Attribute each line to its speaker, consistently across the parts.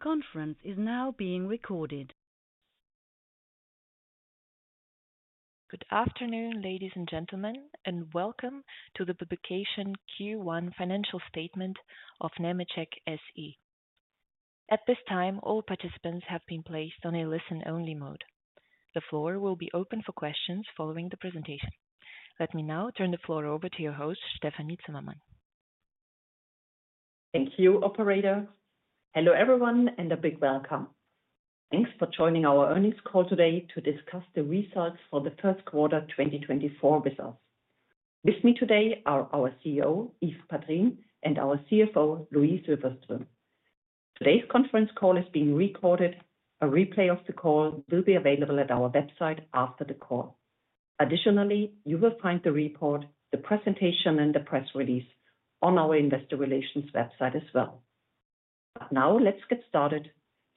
Speaker 1: The conf erence is now being recorded. Good afternoon, ladies and gentlemen, and welcome to the Publication Q1 Financial Statement of Nemetschek SE. At this time, all participants have been placed on a listen-only mode. The floor will be open for questions following the presentation. Let me now turn the floor over to your host, Stefanie Zimmermann.
Speaker 2: Thank you, operator. Hello, everyone, and a big welcome. Thanks for joining our earnings call today to discuss the results for the first quarter, 2024 with us. With me today are our CEO, Yves Padrines, and our CFO, Louise Öfverström. Today's conference call is being recorded. A replay of the call will be available at our website after the call. Additionally, you will find the report, the presentation, and the press release on our investor relations website as well. But now let's get started.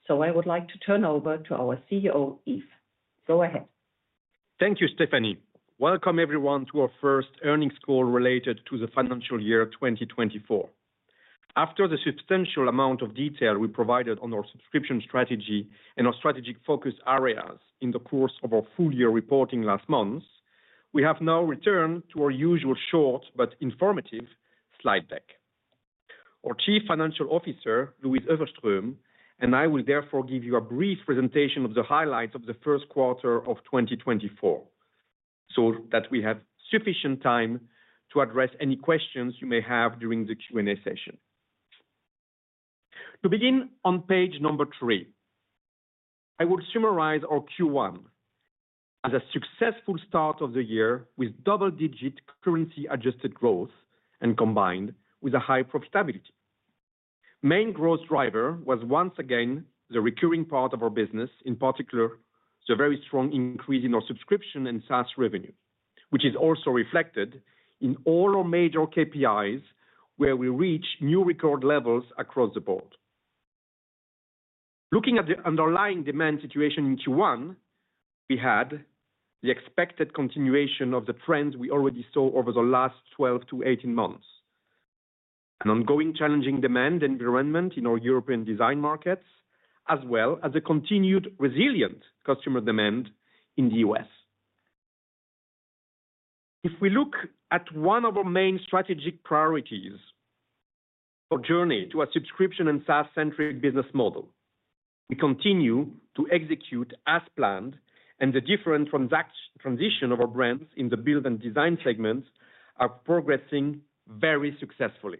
Speaker 2: So I would like to turn over to our CEO, Yves. Go ahead.
Speaker 3: Thank you, Stefanie. Welcome everyone, to our first earnings call related to the financial year 2024. After the substantial amount of detail we provided on our subscription strategy and our strategic focus areas in the course of our full year reporting last month, we have now returned to our usual short but informative slide deck. Our Chief Financial Officer, Louise Öfverström, and I will therefore give you a brief presentation of the highlights of the first quarter of 2024, so that we have sufficient time to address any questions you may have during the Q&A session. To begin, on page three, I will summarize our Q1 as a successful start of the year with double-digit currency-adjusted growth and combined with a high profitability. Main growth driver was once again the recurring part of our business, in particular, the very strong increase in our subscription and SaaS revenue, which is also reflected in all our major KPIs, where we reach new record levels across the board. Looking at the underlying demand situation in Q1, we had the expected continuation of the trends we already saw over the last 12-18 months. An ongoing challenging demand environment in our European design markets, as well as a continued resilient customer demand in the U.S.. If we look at one of our main strategic priorities, our journey to a subscription and SaaS-centric business model, we continue to execute as planned, and the different from that transition of our brands in the Build and Design segments are progressing very successfully.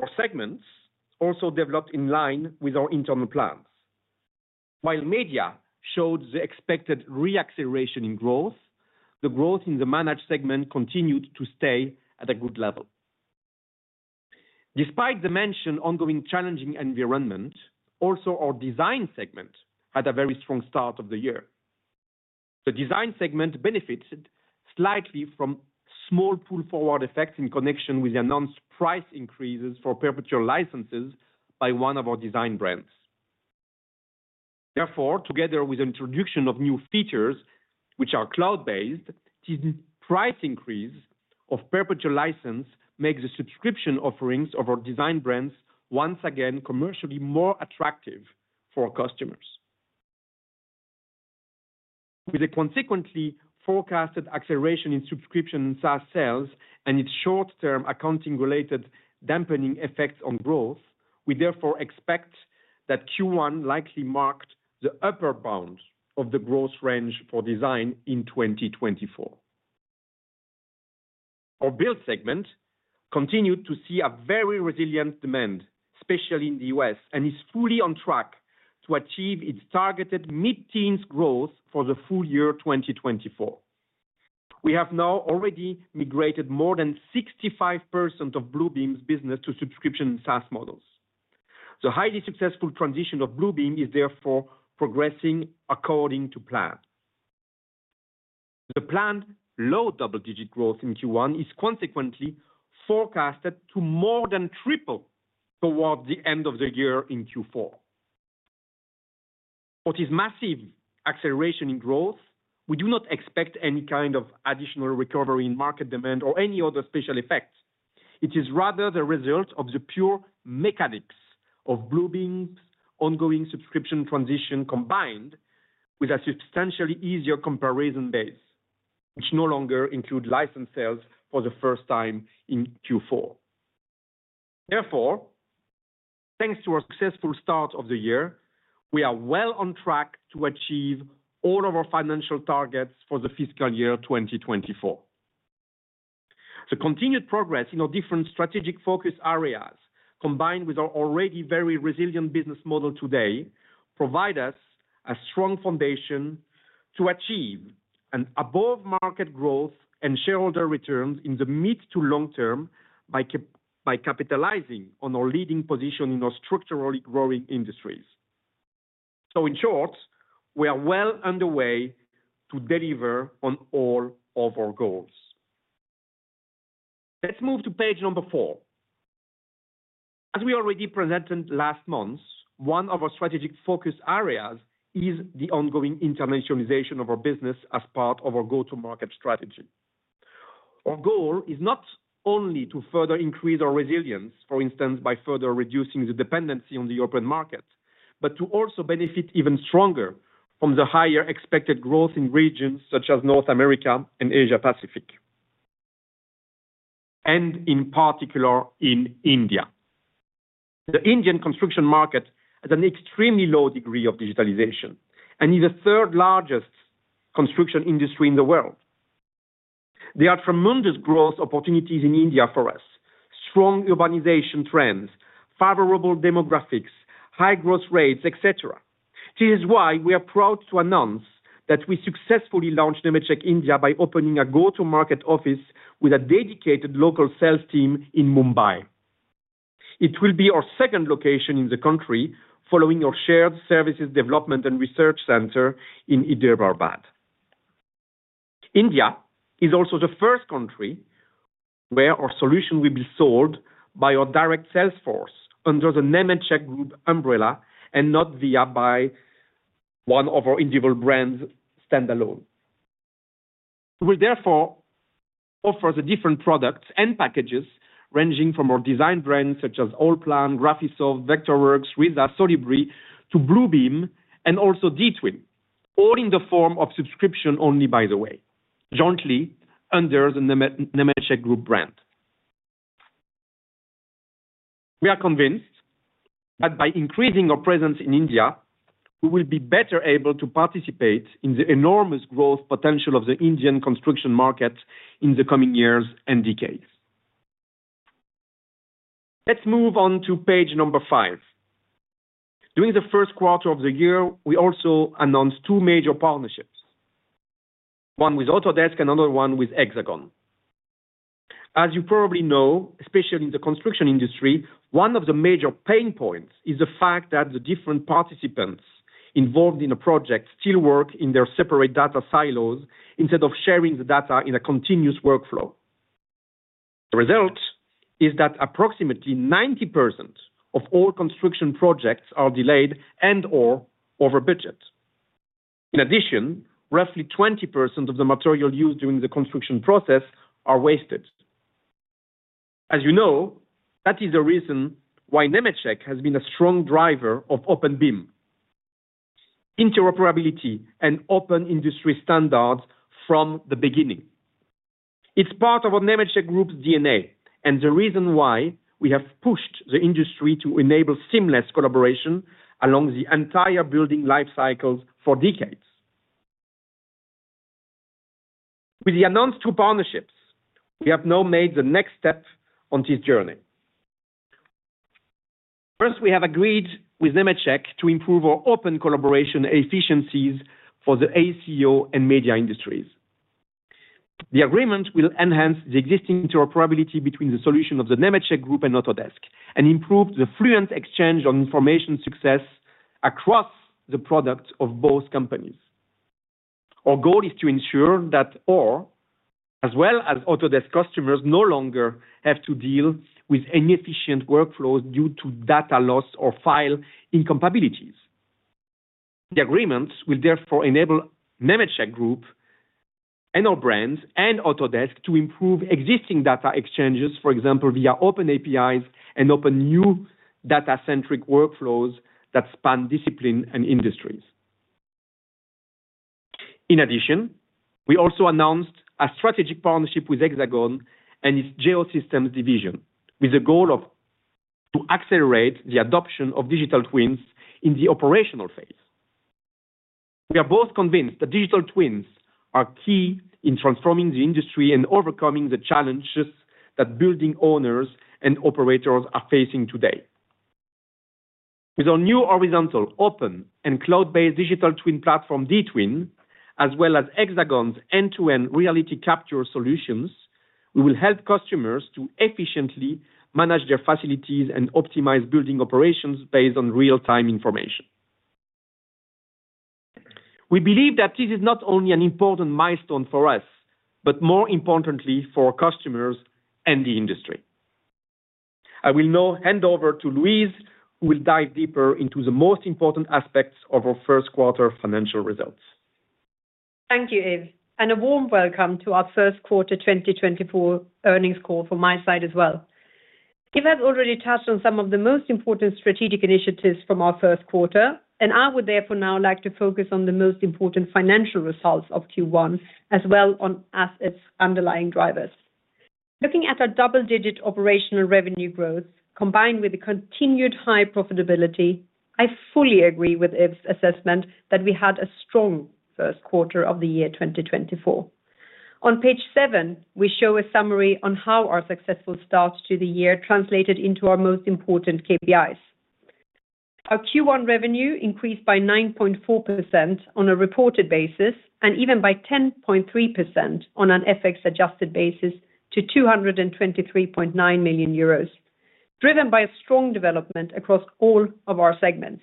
Speaker 3: Our segments also developed in line with our internal plans. While Media showed the expected re-acceleration in growth, the growth in the Manage segment continued to stay at a good level. Despite the mentioned ongoing challenging environment, also our Design segment had a very strong start of the year. The Design segment benefited slightly from small pull-forward effects in connection with the announced price increases for perpetual licenses by one of our Design brands. Therefore, together with the introduction of new features, which are cloud-based, this price increase of perpetual license makes the subscription offerings of our Design brands once again commercially more attractive for our customers. With a consequently forecasted acceleration in subscription and SaaS sales and its short-term accounting-related dampening effects on growth, we therefore expect that Q1 likely marked the upper bound of the growth range for Design in 2024. Our Build segment continued to see a very resilient demand, especially in the U.S., and is fully on track to achieve its targeted mid-teens growth for the full year 2024. We have now already migrated more than 65% of Bluebeam's business to subscription SaaS models. The highly successful transition of Bluebeam is therefore progressing according to plan. The planned low double-digit growth in Q1 is consequently forecasted to more than triple towards the end of the year in Q4. What is massive acceleration in growth? We do not expect any kind of additional recovery in market demand or any other special effects. It is rather the result of the pure mechanics of Bluebeam's ongoing subscription transition, combined with a substantially easier comparison base, which no longer include license sales for the first time in Q4. Therefore, thanks to our successful start of the year, we are well on track to achieve all of our financial targets for the fiscal year 2024. The continued progress in our different strategic focus areas, combined with our already very resilient business model today, provide us a strong foundation to achieve an above-market growth and shareholder returns in the mid to long term by capitalizing on our leading position in our structurally growing industries. So in short, we are well underway to deliver on all of our goals. Let's move to page number four. As we already presented last month, one of our strategic focus areas is the ongoing internationalization of our business as part of our go-to-market strategy... Our goal is not only to further increase our resilience, for instance, by further reducing the dependency on the open market, but to also benefit even stronger from the higher expected growth in regions such as North America and Asia Pacific, and in particular, in India. The Indian construction market has an extremely low degree of digitalization and is the third-largest construction industry in the world. There are tremendous growth opportunities in India for us. Strong urbanization trends, favorable demographics, high growth rates, et cetera. This is why we are proud to announce that we successfully launched Nemetschek India by opening a go-to-market office with a dedicated local sales team in Mumbai. It will be our second location in the country, following our shared services development and research center in Hyderabad. India is also the first country where our solution will be sold by our direct sales force under the Nemetschek Group umbrella, and not by one of our individual brands standalone. We therefore offer the different products and packages, ranging from our design brands such as Allplan, Graphisoft, Vectorworks, RISA, Solibri, to Bluebeam, and also dTwin, all in the form of subscription only, by the way, jointly under the Nemetschek Group brand. We are convinced that by increasing our presence in India, we will be better able to participate in the enormous growth potential of the Indian construction market in the coming years and decades. Let's move on to page number five. During the first quarter of the year, we also announced two major partnerships, one with Autodesk, another one with Hexagon. As you probably know, especially in the construction industry, one of the major pain points is the fact that the different participants involved in a project still work in their separate data silos instead of sharing the data in a continuous workflow. The result is that approximately 90% of all construction projects are delayed and/or over budget. In addition, roughly 20% of the material used during the construction process are wasted. As you know, that is the reason why Nemetschek has been a strong driver of Open BIM, interoperability, and open industry standards from the beginning. It's part of our Nemetschek Group's DNA, and the reason why we have pushed the industry to enable seamless collaboration along the entire building life cycles for decades. With the announced two partnerships, we have now made the next step on this journey. First, we have agreed with Nemetschek to improve our open collaboration efficiencies for the AEC/O and media industries. The agreement will enhance the existing interoperability between the solution of the Nemetschek Group and Autodesk, and improve the fluent exchange on information success across the products of both companies. Our goal is to ensure that our, as well as Autodesk customers, no longer have to deal with inefficient workflows due to data loss or file incompatibilities. The agreements will therefore enable Nemetschek Group, and our brands, and Autodesk, to improve existing data exchanges, for example, via open APIs and open new data-centric workflows that span discipline and industries. In addition, we also announced a strategic partnership with Hexagon and its Geosystems division, with the goal of to accelerate the adoption of Digital Twins in the operational phase. We are both convinced that Digital Twins are key in transforming the industry and overcoming the challenges that building owners and operators are facing today. With our new horizontal, open, and cloud-based Digital Twin platform, dTwin, as well as Hexagon's end-to-end reality capture solutions, we will help customers to efficiently manage their facilities and optimize building operations based on real-time information. We believe that this is not only an important milestone for us, but more importantly, for our customers and the industry. I will now hand over to Louise, who will dive deeper into the most important aspects of our first quarter financial results.
Speaker 4: Thank you, Yves, and a warm welcome to our first quarter 2024 earnings call from my side as well. Yves has already touched on some of the most important strategic initiatives from our first quarter, and I would therefore now like to focus on the most important financial results of Q1, as well as on its underlying drivers. Looking at our double-digit operational revenue growth, combined with the continued high profitability, I fully agree with Yves' assessment that we had a strong first quarter of the year 2024. On page seven, we show a summary on how our successful start to the year translated into our most important KPIs. Our Q1 revenue increased by 9.4% on a reported basis, and even by 10.3% on an FX adjusted basis to 223.9 million euros, driven by a strong development across all of our segments.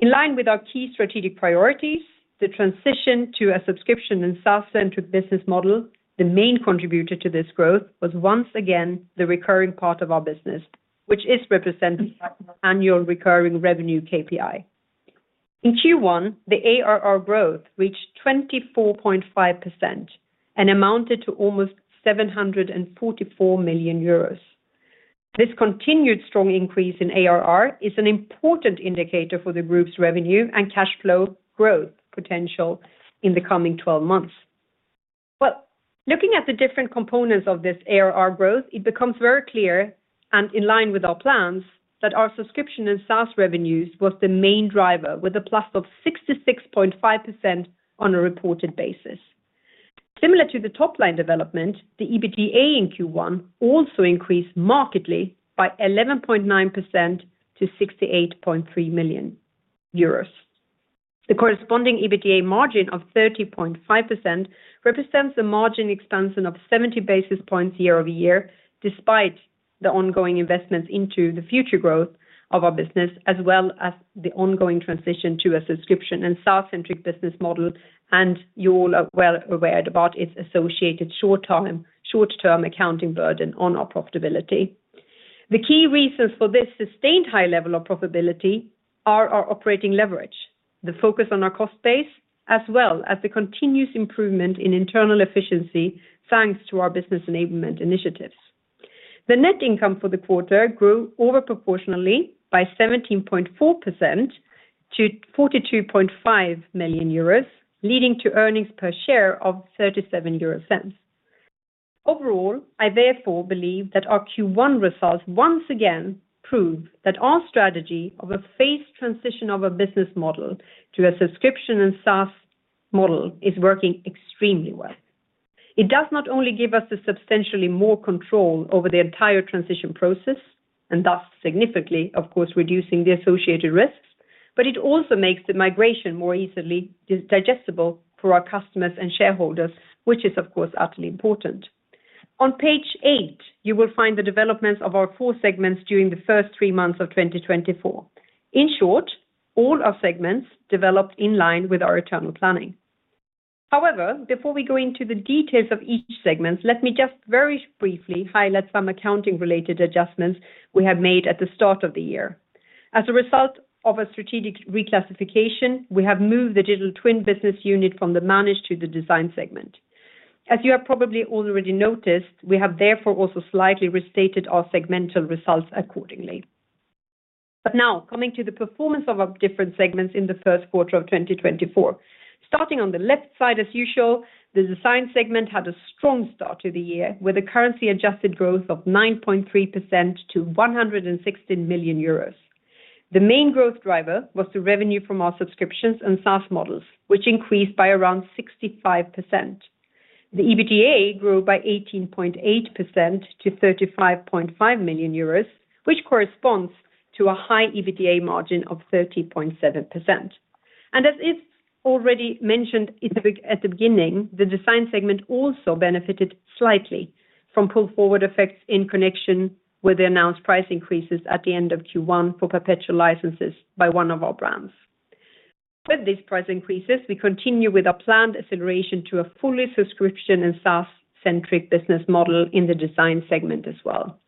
Speaker 4: In line with our key strategic priorities, the transition to a subscription and SaaS-centric business model, the main contributor to this growth, was once again the recurring part of our business, which is represented by our annual recurring revenue KPI.... In Q1, the ARR growth reached 24.5% and amounted to almost 744 million euros. This continued strong increase in ARR is an important indicator for the group's revenue and cash flow growth potential in the coming 12 months. But looking at the different components of this ARR growth, it becomes very clear, and in line with our plans, that our subscription and SaaS revenues was the main driver, with a plus of 66.5% on a reported basis. Similar to the top line development, the EBITDA in Q1 also increased markedly by 11.9% to 68.3 million euros. The corresponding EBITDA margin of 30.5% represents a margin expansion of 70 basis points year-over-year, despite the ongoing investments into the future growth of our business, as well as the ongoing transition to a subscription and SaaS-centric business model, and you all are well aware about its associated short-term, short-term accounting burden on our profitability. The key reasons for this sustained high level of profitability are our operating leverage, the focus on our cost base, as well as the continuous improvement in internal efficiency, thanks to our business enablement initiatives. The net income for the quarter grew over proportionally by 17.4% to 42.5 million euros, leading to earnings per share of 0.37. Overall, I therefore believe that our Q1 results once again prove that our strategy of a phased transition of a business model to a subscription and SaaS model is working extremely well. It does not only give us a substantially more control over the entire transition process, and thus significantly, of course, reducing the associated risks, but it also makes the migration more easily digestible for our customers and shareholders, which is, of course, utterly important. On page eight, you will find the developments of our four segments during the first three months of 2024. In short, all our segments developed in line with our internal planning. However, before we go into the details of each segment, let me just very briefly highlight some accounting-related adjustments we have made at the start of the year. As a result of a strategic reclassification, we have moved the Digital Twin business unit from the Manage to the Design segment. As you have probably already noticed, we have therefore also slightly restated our segmental results accordingly. But now coming to the performance of our different segments in the first quarter of 2024. Starting on the left side, as usual, the Design segment had a strong start to the year, with a currency-adjusted growth of 9.3% to 116 million euros. The main growth driver was the revenue from our subscriptions and SaaS models, which increased by around 65%. The EBITDA grew by 18.8% to 35.5 million euros, which corresponds to a high EBITDA margin of 30.7%. And as is already mentioned in, at the beginning, the design segment also benefited slightly from pull forward effects in connection with the announced price increases at the end of Q1 for perpetual licenses by one of our brands. With these price increases, we continue with our planned acceleration to a fully subscription and SaaS-centric business model in the design segment as well.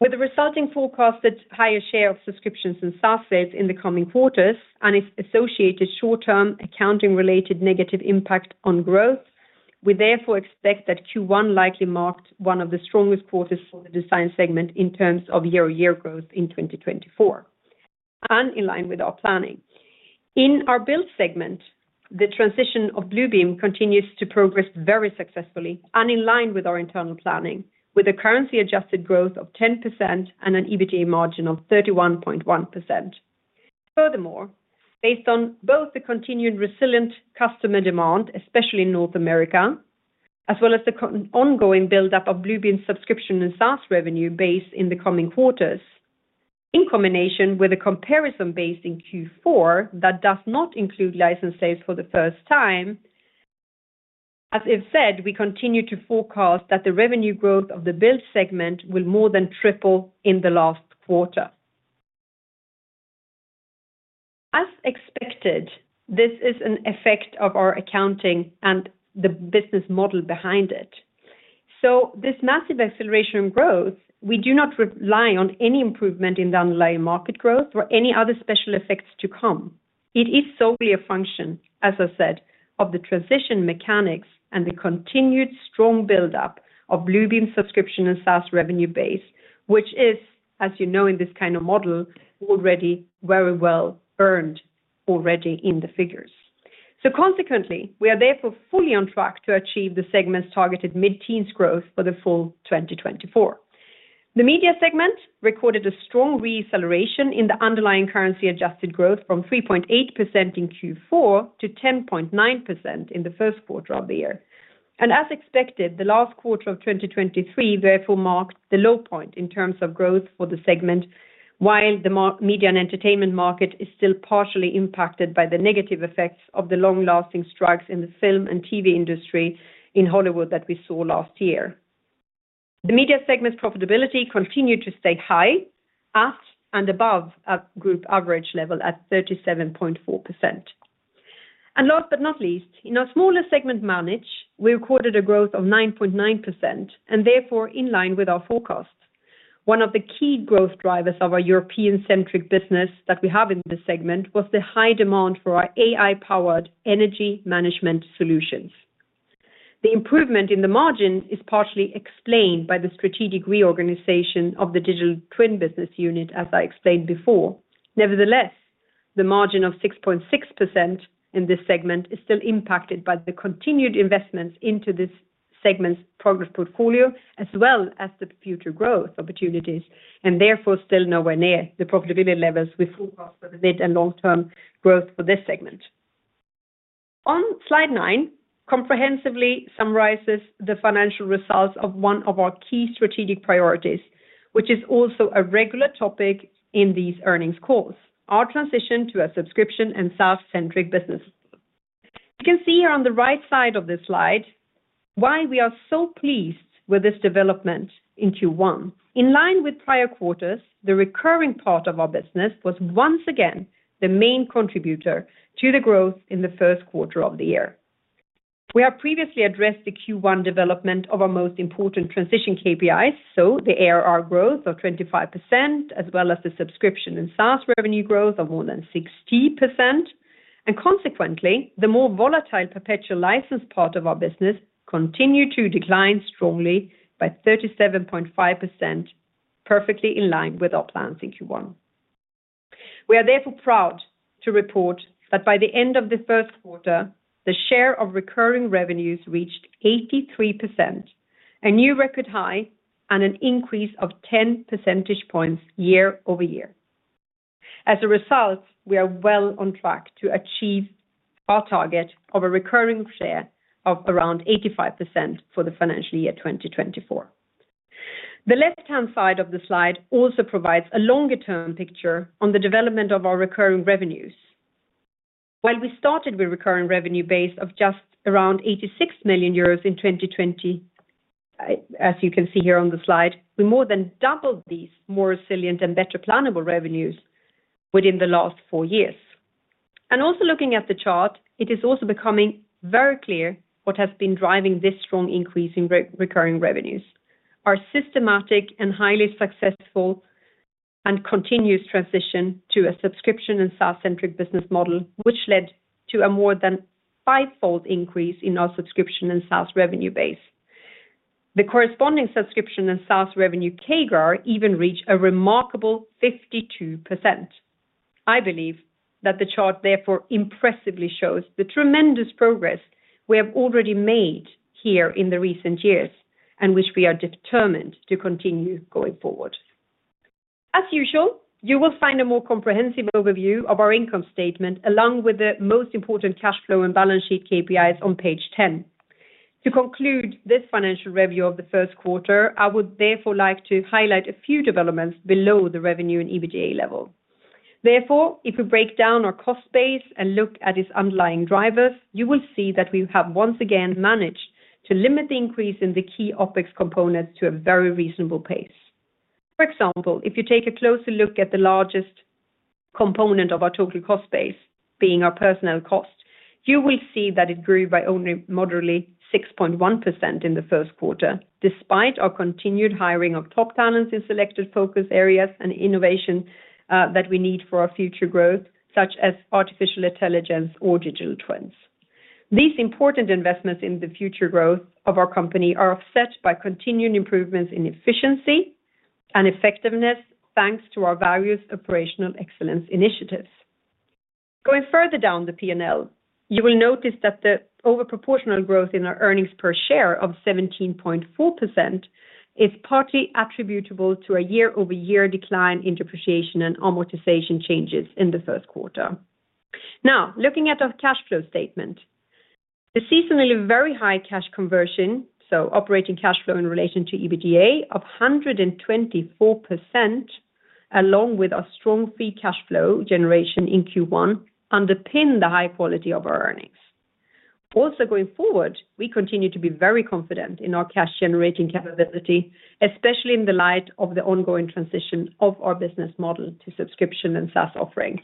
Speaker 4: With the resulting forecasted higher share of subscriptions and SaaS sales in the coming quarters and its associated short-term accounting-related negative impact on growth, we therefore expect that Q1 likely marked one of the strongest quarters for the design segment in terms of year-over-year growth in 2024 and in line with our planning. In our build segment, the transition of Bluebeam continues to progress very successfully and in line with our internal planning, with a currency-adjusted growth of 10% and an EBITDA margin of 31.1%. Furthermore, based on both the continuing resilient customer demand, especially in North America, as well as the ongoing buildup of Bluebeam subscription and SaaS revenue base in the coming quarters, in combination with a comparison base in Q4 that does not include license sales for the first time. As I've said, we continue to forecast that the revenue growth of the build segment will more than triple in the last quarter. As expected, this is an effect of our accounting and the business model behind it. So this massive acceleration growth, we do not rely on any improvement in the underlying market growth or any other special effects to come. It is solely a function, as I said, of the transition mechanics and the continued strong buildup of Bluebeam subscription and SaaS revenue base, which is, as you know, in this kind of model, already very well earned already in the figures. So consequently, we are therefore fully on track to achieve the segment's targeted mid-teens growth for the full 2024. The media segment recorded a strong re-acceleration in the underlying currency adjusted growth from 3.8% in Q4 to 10.9% in the first quarter of the year. As expected, the last quarter of 2023 therefore marked the low point in terms of growth for the segment, while the media and entertainment market is still partially impacted by the negative effects of the long-lasting strikes in the film and TV industry in Hollywood that we saw last year. The media segment's profitability continued to stay high, at and above our group average level at 37.4%. Last but not least, in our smallest segment, Manage, we recorded a growth of 9.9%, and therefore in line with our forecast. One of the key growth drivers of our European-centric business that we have in this segment, was the high demand for our AI-powered energy management solutions. The improvement in the margin is partially explained by the strategic reorganization of the Digital Twin business unit, as I explained before. Nevertheless, the margin of 6.6% in this segment is still impacted by the continued investments into this segment's product portfolio, as well as the future growth opportunities, and therefore still nowhere near the profitability levels we forecast for the mid and long-term growth for this segment. On slide nine comprehensively summarizes the financial results of one of our key strategic priorities, which is also a regular topic in these earnings calls: our transition to a subscription and SaaS-centric business. You can see here on the right side of this slide, why we are so pleased with this development in Q1. In line with prior quarters, the recurring part of our business was once again the main contributor to the growth in the first quarter of the year. We have previously addressed the Q1 development of our most important transition KPIs, so the ARR growth of 25%, as well as the subscription and SaaS revenue growth of more than 60%. And consequently, the more volatile perpetual license part of our business continued to decline strongly by 37.5%, perfectly in line with our plans in Q1. We are therefore proud to report that by the end of the first quarter, the share of recurring revenues reached 83%, a new record high, and an increase of 10 percentage points year-over-year. As a result, we are well on track to achieve our target of a recurring share of around 85% for the financial year 2024. The left-hand side of the slide also provides a longer-term picture on the development of our recurring revenues. While we started with recurring revenue base of just around 86 million euros in 2020, as you can see here on the slide, we more than doubled these more resilient and better plannable revenues within the last four years. And also looking at the chart, it is also becoming very clear what has been driving this strong increase in recurring revenues. Our systematic and highly successful and continuous transition to a subscription and SaaS-centric business model, which led to a more than fivefold increase in our subscription and SaaS revenue base. The corresponding subscription and SaaS revenue CAGR even reached a remarkable 52%. I believe that the chart therefore impressively shows the tremendous progress we have already made here in the recent years, and which we are determined to continue going forward. As usual, you will find a more comprehensive overview of our income statement, along with the most important cash flow and balance sheet KPIs on page 10. To conclude this financial review of the first quarter, I would therefore like to highlight a few developments below the revenue and EBITDA level. Therefore, if we break down our cost base and look at its underlying drivers, you will see that we have once again managed to limit the increase in the key OpEx components to a very reasonable pace. For example, if you take a closer look at the largest component of our total cost base, being our personnel cost, you will see that it grew by only moderately 6.1% in the first quarter, despite our continued hiring of top talents in selected focus areas and innovation, that we need for our future growth, such as artificial intelligence or digital twins. These important investments in the future growth of our company are offset by continuing improvements in efficiency and effectiveness, thanks to our various operational excellence initiatives. Going further down the P&L, you will notice that the over proportional growth in our earnings per share of 17.4%, is partly attributable to a year-over-year decline in depreciation and amortization changes in the first quarter. Now, looking at our cash flow statement. The seasonally very high cash conversion, so operating cash flow in relation to EBITDA of 124%, along with our strong free cash flow generation in Q1, underpin the high quality of our earnings. Also going forward, we continue to be very confident in our cash generating capability, especially in the light of the ongoing transition of our business model to subscription and SaaS offerings.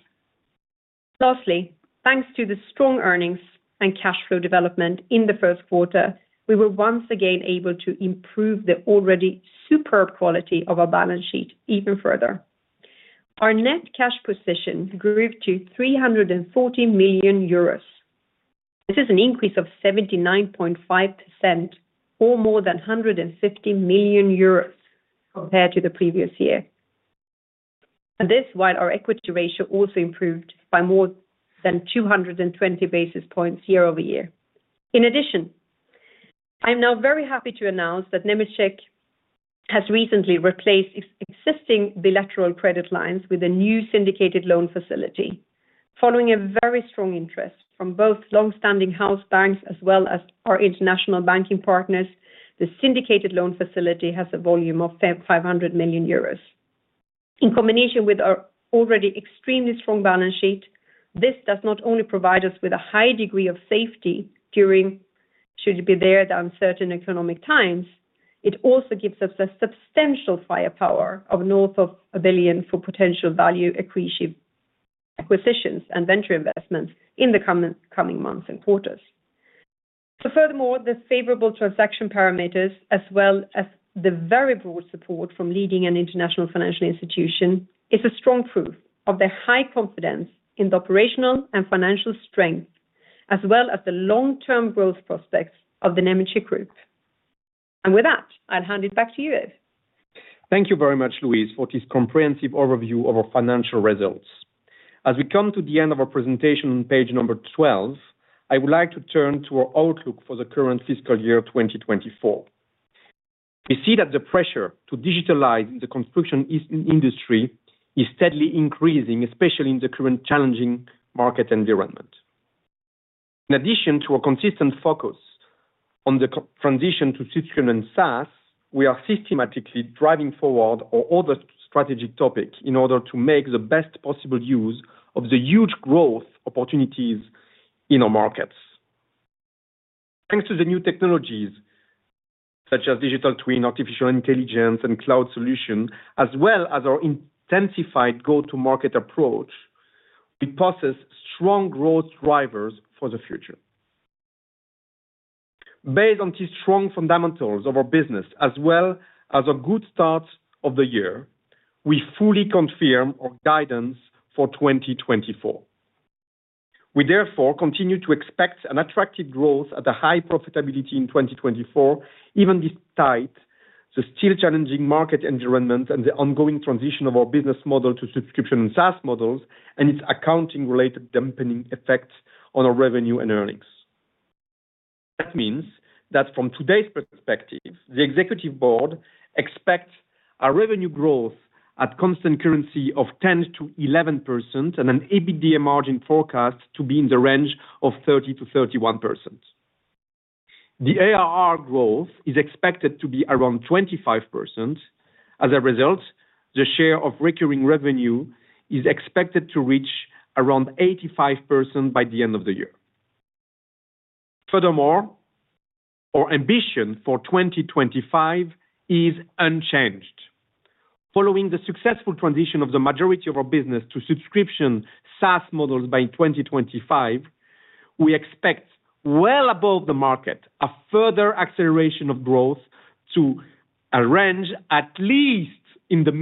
Speaker 4: Lastly, thanks to the strong earnings and cash flow development in the first quarter, we were once again able to improve the already superb quality of our balance sheet even further. Our net cash position grew to 340 million euros. This is an increase of 79.5% or more than 150 million euros compared to the previous year. This, while our equity ratio also improved by more than 220 basis points year-over-year. In addition, I am now very happy to announce that Nemetschek has recently replaced existing bilateral credit lines with a new syndicated loan facility. Following a very strong interest from both longstanding house banks as well as our international banking partners, the syndicated loan facility has a volume of 500 million euros. In combination with our already extremely strong balance sheet, this does not only provide us with a high degree of safety during, should there be, the uncertain economic times, it also gives us a substantial firepower of north of 1 billion for potential value acquisition, acquisitions, and venture investments in the coming, coming months and quarters. Furthermore, the favorable transaction parameters, as well as the very broad support from leading international financial institutions, is a strong proof of the high confidence in the operational and financial strength, as well as the long-term growth prospects of the Nemetschek Group. With that, I'll hand it back to you, Yves.
Speaker 3: Thank you very much, Louise, for this comprehensive overview of our financial results. As we come to the end of our presentation on page number 12, I would like to turn to our outlook for the current fiscal year, 2024. We see that the pressure to digitalize the construction industry is steadily increasing, especially in the current challenging market environment. In addition to a consistent focus on the transition to subscription and SaaS, we are systematically driving forward on other strategic topics in order to make the best possible use of the huge growth opportunities in our markets. Thanks to the new technologies such as digital twin, artificial intelligence, and cloud solution, as well as our intensified go-to-market approach, we possess strong growth drivers for the future. Based on these strong fundamentals of our business, as well as a good start of the year, we fully confirm our guidance for 2024. We therefore continue to expect an attractive growth at a high profitability in 2024, even despite the still challenging market environment and the ongoing transition of our business model to subscription and SaaS models, and its accounting-related dampening effects on our revenue and earnings. That means that from today's perspective, the executive board expects a revenue growth at constant currency of 10%-11%, and an EBITDA margin forecast to be in the range of 30%-31%. The ARR growth is expected to be around 25%. As a result, the share of recurring revenue is expected to reach around 85% by the end of the year. Furthermore, our ambition for 2025 is unchanged. Following the successful transition of the majority of our business to subscription SaaS models by 2025, we expect well above the market, a further acceleration of growth to a range at least in the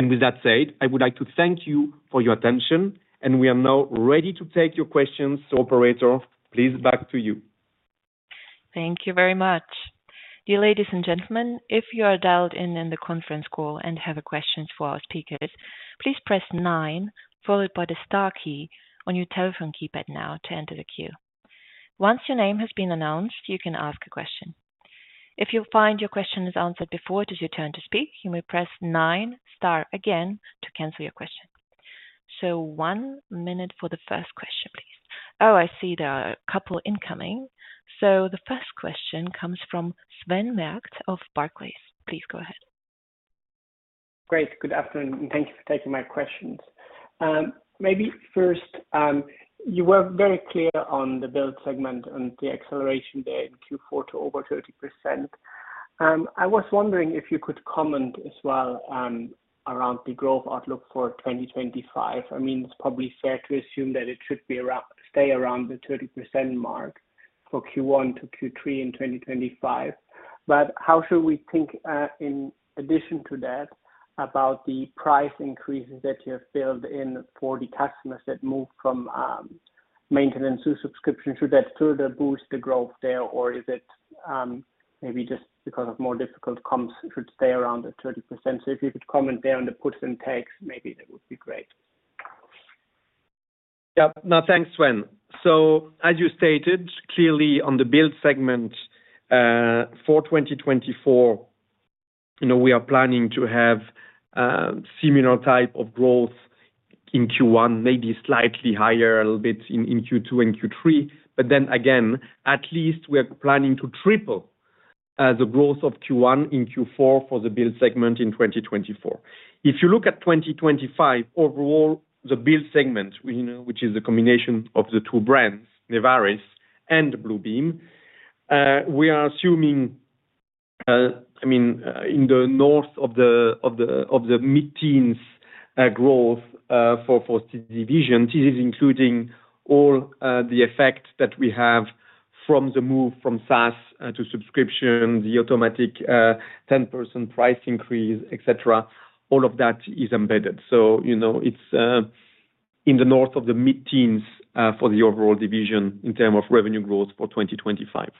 Speaker 3: mid-teens. With that said, I would like to thank you for your attention, and we are now ready to take your questions. So, operator, please back to you.
Speaker 1: Thank you very much. Dear ladies and gentlemen, if you are dialed in in the conference call and have a question for our speakers, please press nine, followed by the star key on your telephone keypad now to enter the queue. Once your name has been announced, you can ask a question. If you find your question is answered before it is your turn to speak, you may press nine, star again to cancel your question. So one minute for the first question, please. Oh, I see there are a couple incoming. So the first question comes from Sven Merkt of Barclays. Please go ahead.
Speaker 5: Great. Good afternoon, and thank you for taking my questions. Maybe first, you were very clear on the build segment and the acceleration there in Q4 to over 30%. I was wondering if you could comment as well, around the growth outlook for 2025. I mean, it's probably fair to assume that it should be around—stay around the 30% mark for Q1 to Q3 in 2025. But how should we think, in addition to that, about the price increases that you have built in for the customers that moved from maintenance to subscription? Should that further boost the growth there, or is it, maybe just because of more difficult comps, it should stay around the 30%? So if you could comment there on the puts and takes, maybe that would be great.
Speaker 3: Yeah. No, thanks, Sven. So, as you stated, clearly on the build segment, for 2024, you know, we are planning to have similar type of growth in Q1, maybe slightly higher a little bit in Q2 and Q3. But then again, at least we are planning to triple the growth of Q1 in Q4 for the build segment in 2024. If you look at 2025, overall, the build segment, we know, which is the combination of the two brands, NEVARIS and Bluebeam, we are assuming, I mean, in the north of the mid-teens growth for the division. This is including all the effect that we have from the move from SaaS to subscription, the automatic 10% price increase, et cetera. All of that is embedded. So, you know, it's in the north of the mid-teens for the overall division in terms of revenue growth for 2025.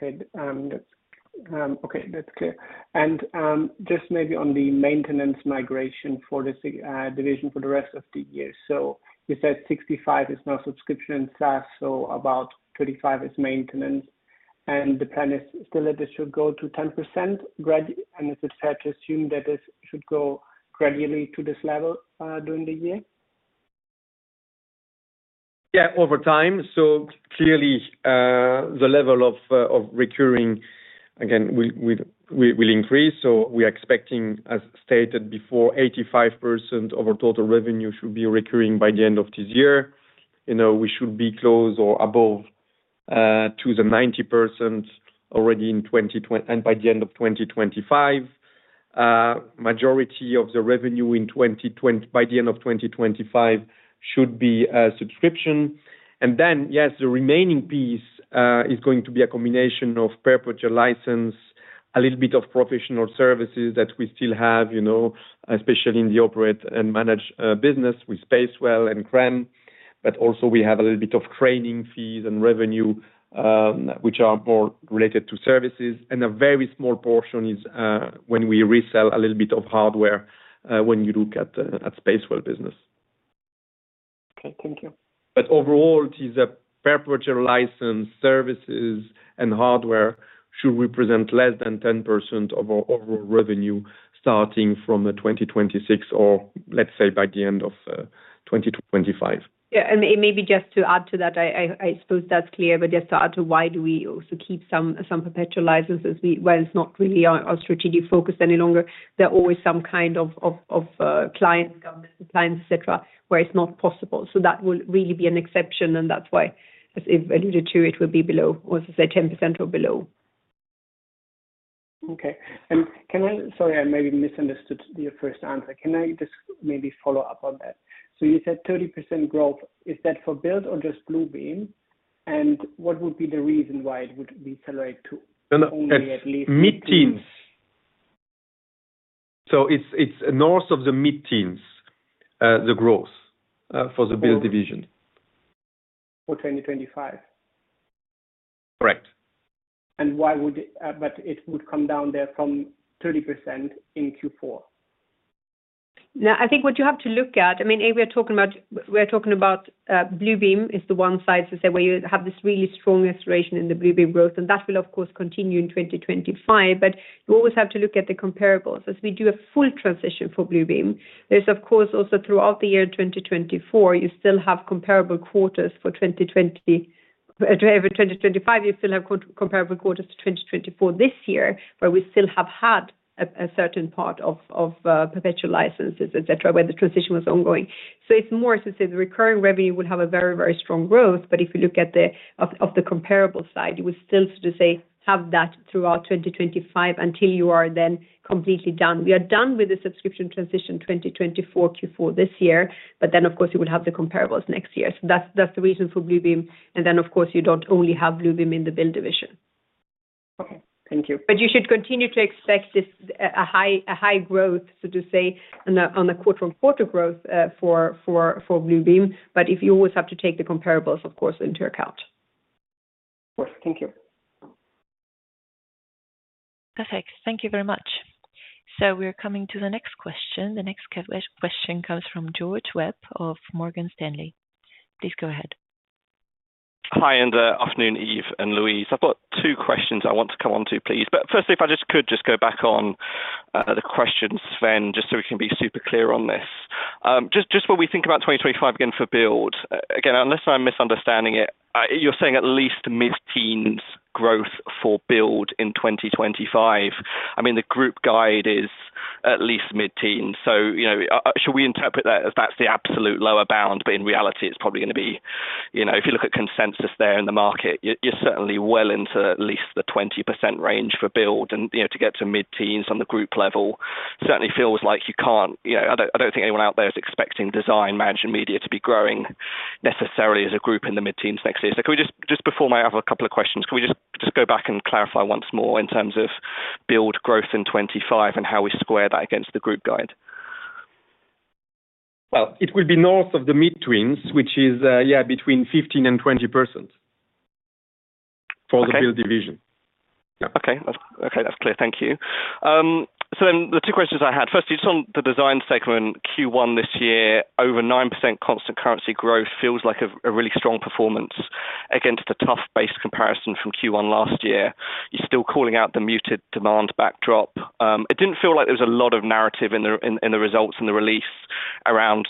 Speaker 5: Good. That's okay, that's clear. And just maybe on the maintenance migration for the segment division for the rest of the year. So you said 65 is now subscription and SaaS, so about 25 is maintenance, and the plan is still that this should go to 10% grad... And is it fair to assume that this should go gradually to this level during the year?
Speaker 3: Yeah, over time. So clearly, the level of recurring, again, we will increase, so we are expecting, as stated before, 85% of our total revenue should be recurring by the end of this year. You know, we should be close or above to the 90% already in 2024 and by the end of 2025. Majority of the revenue by the end of 2025 should be a subscription. And then, yes, the remaining piece is going to be a combination of perpetual license, a little bit of professional services that we still have, you know, especially in the operate and manage business with Spacewell and Crem. But also we have a little bit of training fees and revenue, which are more related to services. A very small portion is when we resell a little bit of hardware, when you look at the Spacewell business.
Speaker 5: Okay, thank you.
Speaker 3: Overall, it is a perpetual license, services and hardware should represent less than 10% of our overall revenue, starting from 2026, or let's say, by the end of 2025.
Speaker 4: Yeah, maybe just to add to that, I suppose that's clear, but just to add to why we also keep some perpetual licenses. Well, it's not really our strategic focus any longer. There are always some kind of clients, government clients, et cetera, where it's not possible. So that will really be an exception, and that's why, as Yves alluded to, it will be below, or as I said, 10% or below.
Speaker 5: Okay. And can I, sorry, I maybe misunderstood your first answer. Can I just maybe follow up on that? So you said 30% growth. Is that for Build or just Bluebeam? And what would be the reason why it would decelerate to-
Speaker 3: No, no-
Speaker 5: Only at least-
Speaker 3: Mid-teens. So it's, it's north of the mid-teens, the growth, for the Build division.
Speaker 5: For 2025?
Speaker 3: Correct.
Speaker 5: Why would it but it would come down there from 30% in Q4?
Speaker 4: Now, I think what you have to look at, I mean, A, we're talking about, we're talking about, Bluebeam is the one size to say, where you have this really strong acceleration in the Bluebeam growth, and that will of course, continue in 2025. But you always have to look at the comparables. As we do a full transition for Bluebeam, there's of course, also throughout the year 2024, you still have comparable quarters for 2025. 2025, you still have comparable quarters to 2024 this year, where we still had a certain part of perpetual licenses, et cetera, where the transition was ongoing. So it's more, as I said, the recurring revenue will have a very, very strong growth, but if you look at the, of, of the comparable side, you will still, so to say, have that throughout 2025, until you are then completely done. We are done with the subscription transition 2024 Q4 this year. But then, of course, you would have the comparables next year. So that's, that's the reason for Bluebeam. And then, of course, you don't only have Bluebeam in the Build division.
Speaker 5: Okay, thank you.
Speaker 4: But you should continue to expect this, a high growth, so to say, on a quarter-on-quarter growth for Bluebeam. But if you always have to take the comparables, of course, into account.
Speaker 5: Of course. Thank you.
Speaker 1: Perfect. Thank you very much. So we're coming to the next question. The next question comes from George Webb of Morgan Stanley. Please go ahead.
Speaker 6: Hi, and afternoon, Yves and Louise. I've got two questions I want to come onto, please. But firstly, if I just could go back on the questions then, just so we can be super clear on this. Just, just when we think about 2025 again for Build, again, unless I'm misunderstanding it, you're saying at least mid-teens growth for Build in 2025. I mean, the group guide is at least mid-teens, so you know, should we interpret that as that's the absolute lower bound, but in reality it's probably gonna be... You know, if you look at consensus there in the market, you're certainly well into at least the 20% range for Build. You know, to get to mid-teens on the group level, certainly feels like you can't. You know, I don't, I don't think anyone out there is expecting Design, Manage, and Media to be growing necessarily as a group in the mid-teens next year. Can we just, just before my other couple of questions, can we just, just go back and clarify once more in terms of Build growth in 2025 and how we square that against the group guide?
Speaker 3: Well, it will be north of the mid-teens, which is, yeah, between 15% and 20%-
Speaker 6: Okay...
Speaker 3: for the Build division. Yeah.
Speaker 6: Okay. That's okay, that's clear. Thank you. So then the two questions I had, firstly, just on the design segment, Q1 this year, over 9% constant currency growth feels like a really strong performance. Again, it's a tough base comparison from Q1 last year. You're still calling out the muted demand backdrop. It didn't feel like there was a lot of narrative in the results in the release around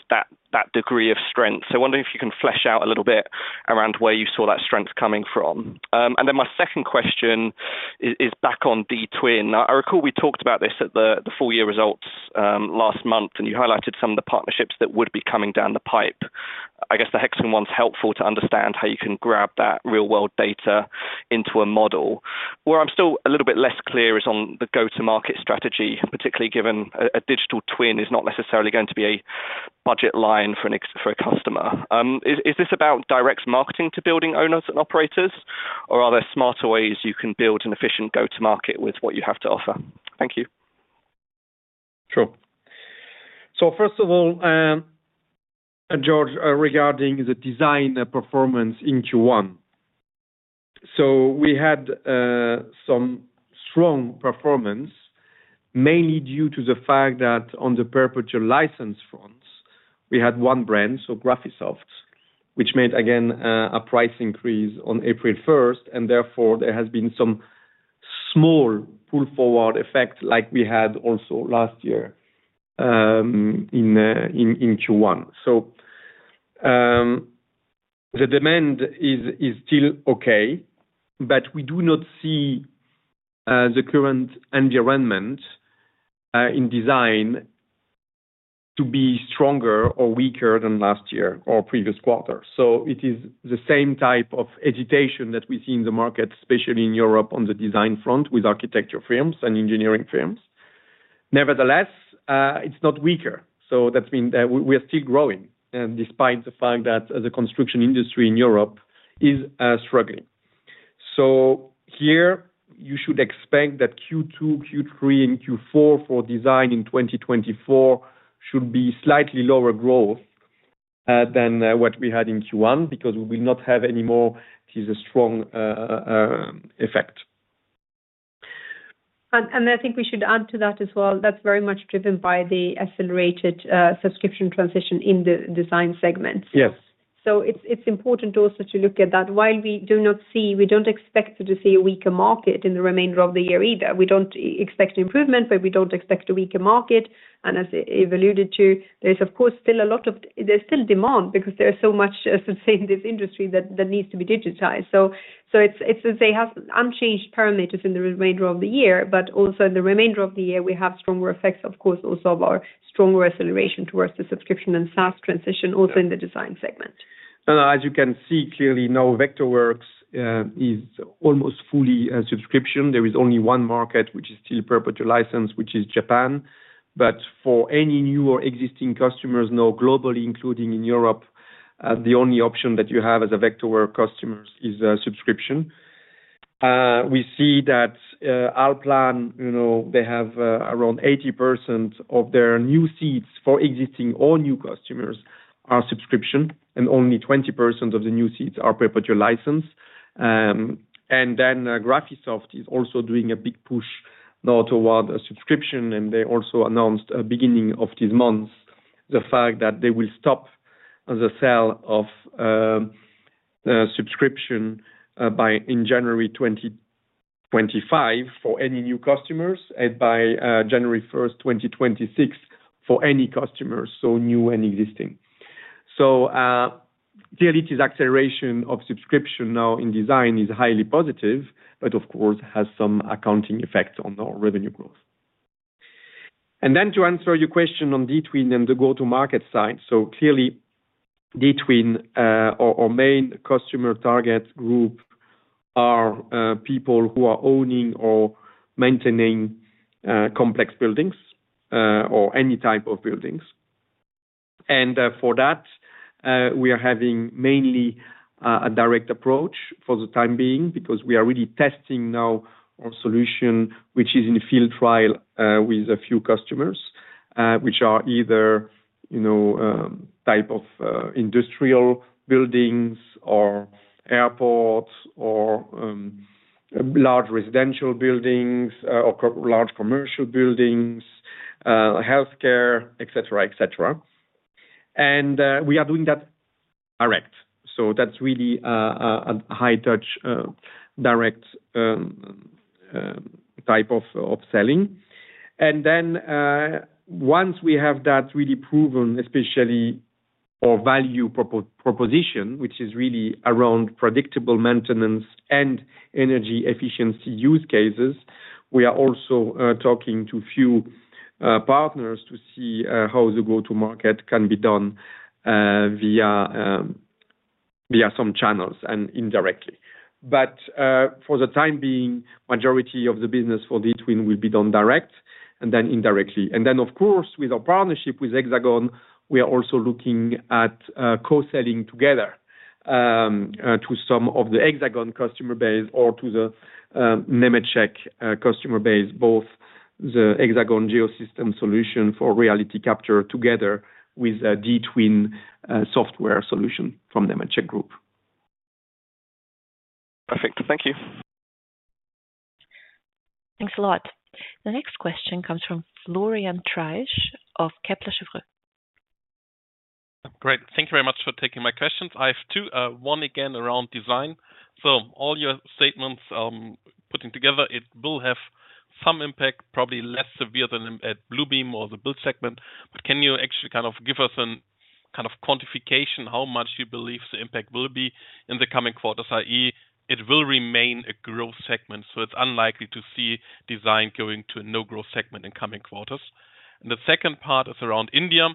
Speaker 6: that degree of strength. So I'm wondering if you can flesh out a little bit around where you saw that strength coming from. And then my second question is back on the dTwin. Now, I recall we talked about this at the full year results last month, and you highlighted some of the partnerships that would be coming down the pipe. I guess the Hexagon one's helpful to understand how you can grab that real world data into a model. Where I'm still a little bit less clear is on the go-to-market strategy, particularly given a digital twin is not necessarily going to be a budget line for an existing customer. Is this about direct marketing to building owners and operators, or are there smarter ways you can build an efficient go-to-market with what you have to offer? Thank you.
Speaker 3: Sure. So first of all, and George, regarding the design performance in Q1, so we had some strong performance, mainly due to the fact that on the perpetual license fronts, we had one brand, so Graphisoft, which made, again, a price increase on April first, and therefore, there has been a small pull forward effect like we had also last year, in Q1. So, the demand is still okay, but we do not see the current environment in design to be stronger or weaker than last year or previous quarters. So it is the same type of agitation that we see in the market, especially in Europe, on the design front with architecture firms and engineering firms. Nevertheless, it's not weaker, so that means we are still growing, and despite the fact that the construction industry in Europe is struggling. So here you should expect that Q2, Q3 and Q4 for design in 2024 should be slightly lower growth than what we had in Q1, because we will not have any more, which is a strong effect.
Speaker 4: And I think we should add to that as well. That's very much driven by the accelerated subscription transition in the design segment.
Speaker 3: Yes.
Speaker 4: So it's important also to look at that. While we do not see, we don't expect to see a weaker market in the remainder of the year either. We don't expect improvement, but we don't expect a weaker market, and as you've alluded to, there's, of course, still a lot of... There's still demand because there is so much, as I say, in this industry that needs to be digitized. So it's, as I say, have unchanged parameters in the remainder of the year, but also in the remainder of the year, we have stronger effects, of course, also of our stronger acceleration towards the subscription and SaaS transition also in the design segment.
Speaker 3: As you can see, clearly, now Vectorworks is almost fully a subscription. There is only one market which is still perpetual license, which is Japan. But for any new or existing customers, now globally, including in Europe, the only option that you have as a Vectorworks customer is a subscription. We see that, our Allplan, you know, they have around 80% of their new seats for existing or new customers are subscription, and only 20% of the new seats are perpetual license. And then Graphisoft is also doing a big push now toward a subscription, and they also announced at the beginning of this month, the fact that they will stop the sale of subscription by in January 2025 for any new customers and by January 1st, 2026, for any customers, so new and existing. Clearly this acceleration of subscription now in design is highly positive, but of course has some accounting effects on our revenue growth. Then to answer your question on dTwin and the go-to-market side, so clearly dTwin, our main customer target group are people who are owning or maintaining complex buildings or any type of buildings. For that, we are having mainly a direct approach for the time being, because we are really testing now our solution, which is in field trial with a few customers, which are either, you know, type of industrial buildings or airports or large residential buildings or large commercial buildings, healthcare, et cetera, et cetera. We are doing that direct. So that's really a high touch direct type of selling. And then once we have that really proven, especially our value proposition, which is really around predictable maintenance and energy efficiency use cases, we are also talking to a few partners to see how the go-to-market can be done via some channels and indirectly. But for the time being, majority of the business for dTwin will be done direct and then indirectly. And then, of course, with our partnership with Hexagon, we are also looking at co-selling together to some of the Hexagon customer base or to the Nemetschek customer base, both the Hexagon Geosystems solution for reality capture together with a dTwin software solution from Nemetschek Group.
Speaker 6: Perfect. Thank you.
Speaker 1: Thanks a lot. The next question comes from Florian Treisch of Kepler Cheuvreux.
Speaker 7: Great. Thank you very much for taking my questions. I have two, one again around design. So all your statements, putting together, it will have some impact, probably less severe than, Bluebeam or the build segment, but can you actually kind of give us an kind of quantification, how much you believe the impact will be in the coming quarters, i.e., it will remain a growth segment, so it's unlikely to see design going to a no-growth segment in coming quarters? And the second part is around India.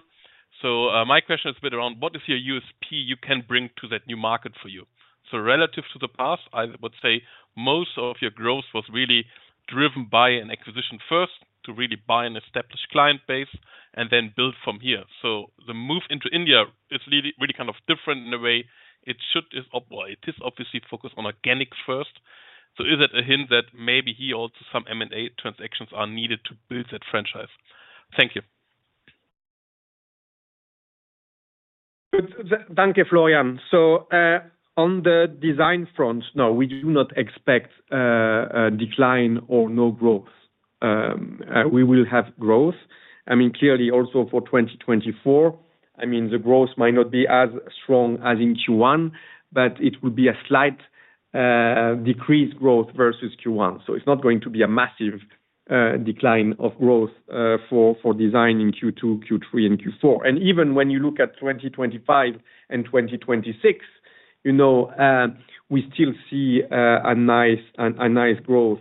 Speaker 7: So, my question is a bit around: What is your USP you can bring to that new market for you? So relative to the past, I would say most of your growth was really driven by an acquisition first, to really buy an established client base and then build from here. So the move into India is really, really kind of different in a way. It should, it is obviously focused on organic first, so is it a hint that maybe here also some M&A transactions are needed to build that franchise? Thank you.
Speaker 3: [Gut Danke], Florian. So, on the design front, no, we do not expect a decline or no growth. We will have growth. I mean, clearly also for 2024, I mean, the growth might not be as strong as in Q1, but it will be a slight decreased growth versus Q1. So it's not going to be a massive decline of growth for design in Q2, Q3, and Q4. And even when you look at 2025 and 2026, you know, we still see a nice growth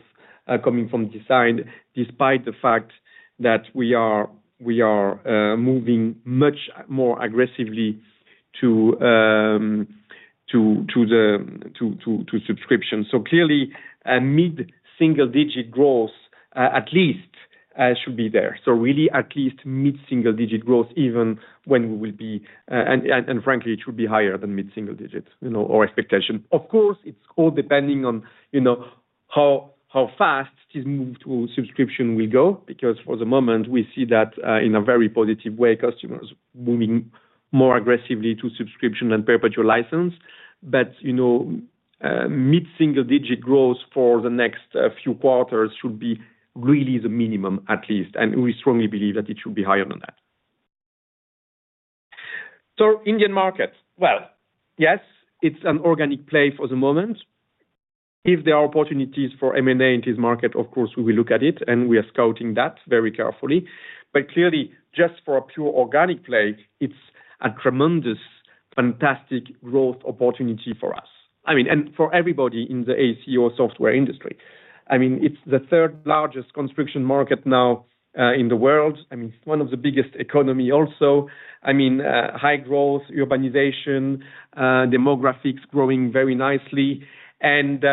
Speaker 3: coming from design, despite the fact that we are moving much more aggressively to the subscription. So clearly, a mid-single-digit growth, at least, should be there. So really, at least mid-single digit growth, even when we will be, and frankly, it should be higher than mid-single digits, you know, our expectation. Of course, it's all depending on, you know, how fast this move to subscription will go. Because for the moment, we see that in a very positive way, customers moving more aggressively to subscription and perpetual license. But, you know, mid-single digit growth for the next, few quarters should be really the minimum, at least, and we strongly believe that it should be higher than that. So Indian markets. Well, yes, it's an organic play for the moment. If there are opportunities for M&A in this market, of course, we will look at it, and we are scouting that very carefully. But clearly, just for a pure organic play, it's a tremendous, fantastic growth opportunity for us, I mean, and for everybody in the ACO software industry. I mean, it's the third largest construction market now in the world. I mean, it's one of the biggest economy also. I mean, high growth, urbanization, demographics growing very nicely. And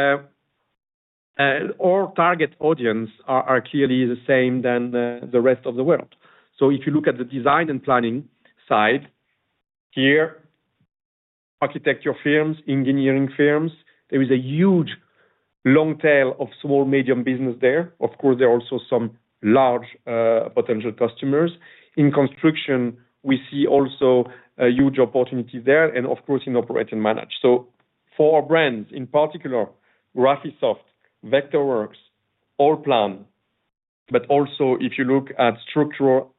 Speaker 3: our target audience are clearly the same than the rest of the world. So if you look at the design and planning side, here, architecture firms, engineering firms, there is a huge long tail of small medium business there. Of course, there are also some large potential customers. In construction, we see also a huge opportunity there and, of course, in operate and manage. So for our brands, in particular, Graphisoft, Vectorworks, Allplan, but also, if you look at structural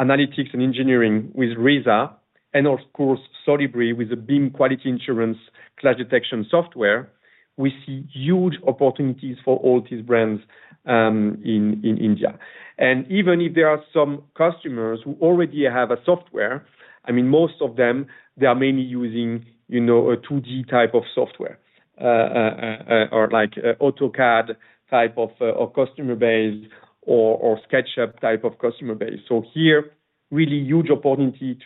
Speaker 3: analytics and engineering with RISA and of course, Solibri, with the BIM Quality Assurance clash detection software, we see huge opportunities for all these brands in India. And even if there are some customers who already have a software, I mean, most of them, they are mainly using, you know, a 2D type of software or like a AutoCAD type of a customer base or SketchUp type of customer base. So here, really huge opportunity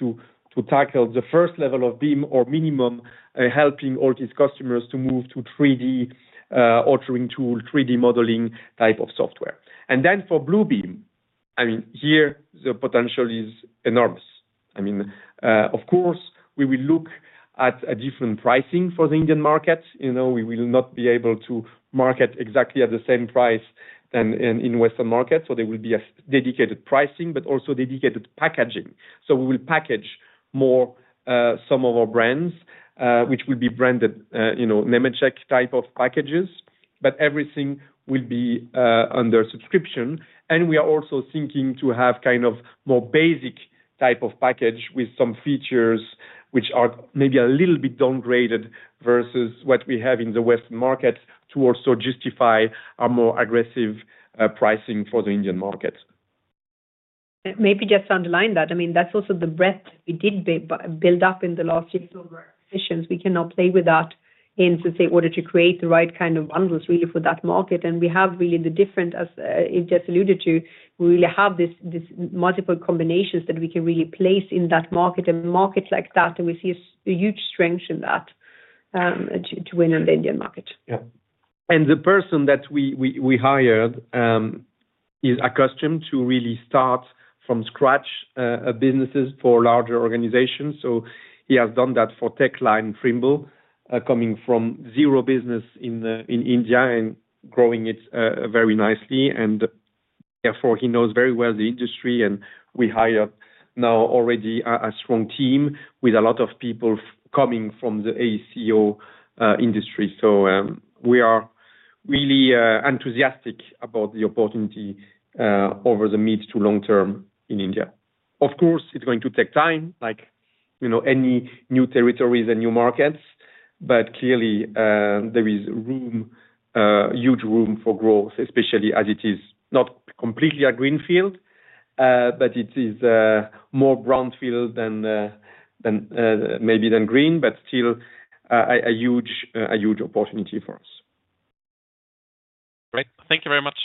Speaker 3: to tackle the first level of BIM or minimum, helping all these customers to move to 3D authoring tool, 3D modeling type of software. And then for Bluebeam, I mean, here, the potential is enormous. I mean, of course, we will look at a different pricing for the Indian market. You know, we will not be able to market exactly at the same price than in, in Western market. So there will be a dedicated pricing, but also dedicated packaging. So we will package more, some of our brands, which will be branded, you know, Nemetschek type of packages, but everything will be, under subscription. And we are also thinking to have kind of more basic type of package with some features which are maybe a little bit downgraded versus what we have in the West market to also justify a more aggressive, pricing for the Indian market.
Speaker 4: Maybe just to underline that, I mean, that's also the breadth we did build up in the last years of our positions. We cannot play with that in order to create the right kind of bundles really for that market. And we have really the different, as you just alluded to, we really have this multiple combinations that we can really place in that market, a market like that, and we see a huge strength in that, to win in the Indian market.
Speaker 3: Yeah. And the person that we hired is accustomed to really start from scratch businesses for larger organizations. So he has done that for Tekla Trimble, coming from zero business in India and growing it very nicely, and therefore, he knows very well the industry. And we hire now already a strong team with a lot of people coming from the AEC industry. So, we are really enthusiastic about the opportunity over the mid to long term in India. Of course, it's going to take time, like, you know, any new territories and new markets, but clearly, there is room, huge room for growth, especially as it is not completely a greenfield, but it is more brownfield than green, but still, a huge opportunity for us.
Speaker 7: Great. Thank you very much.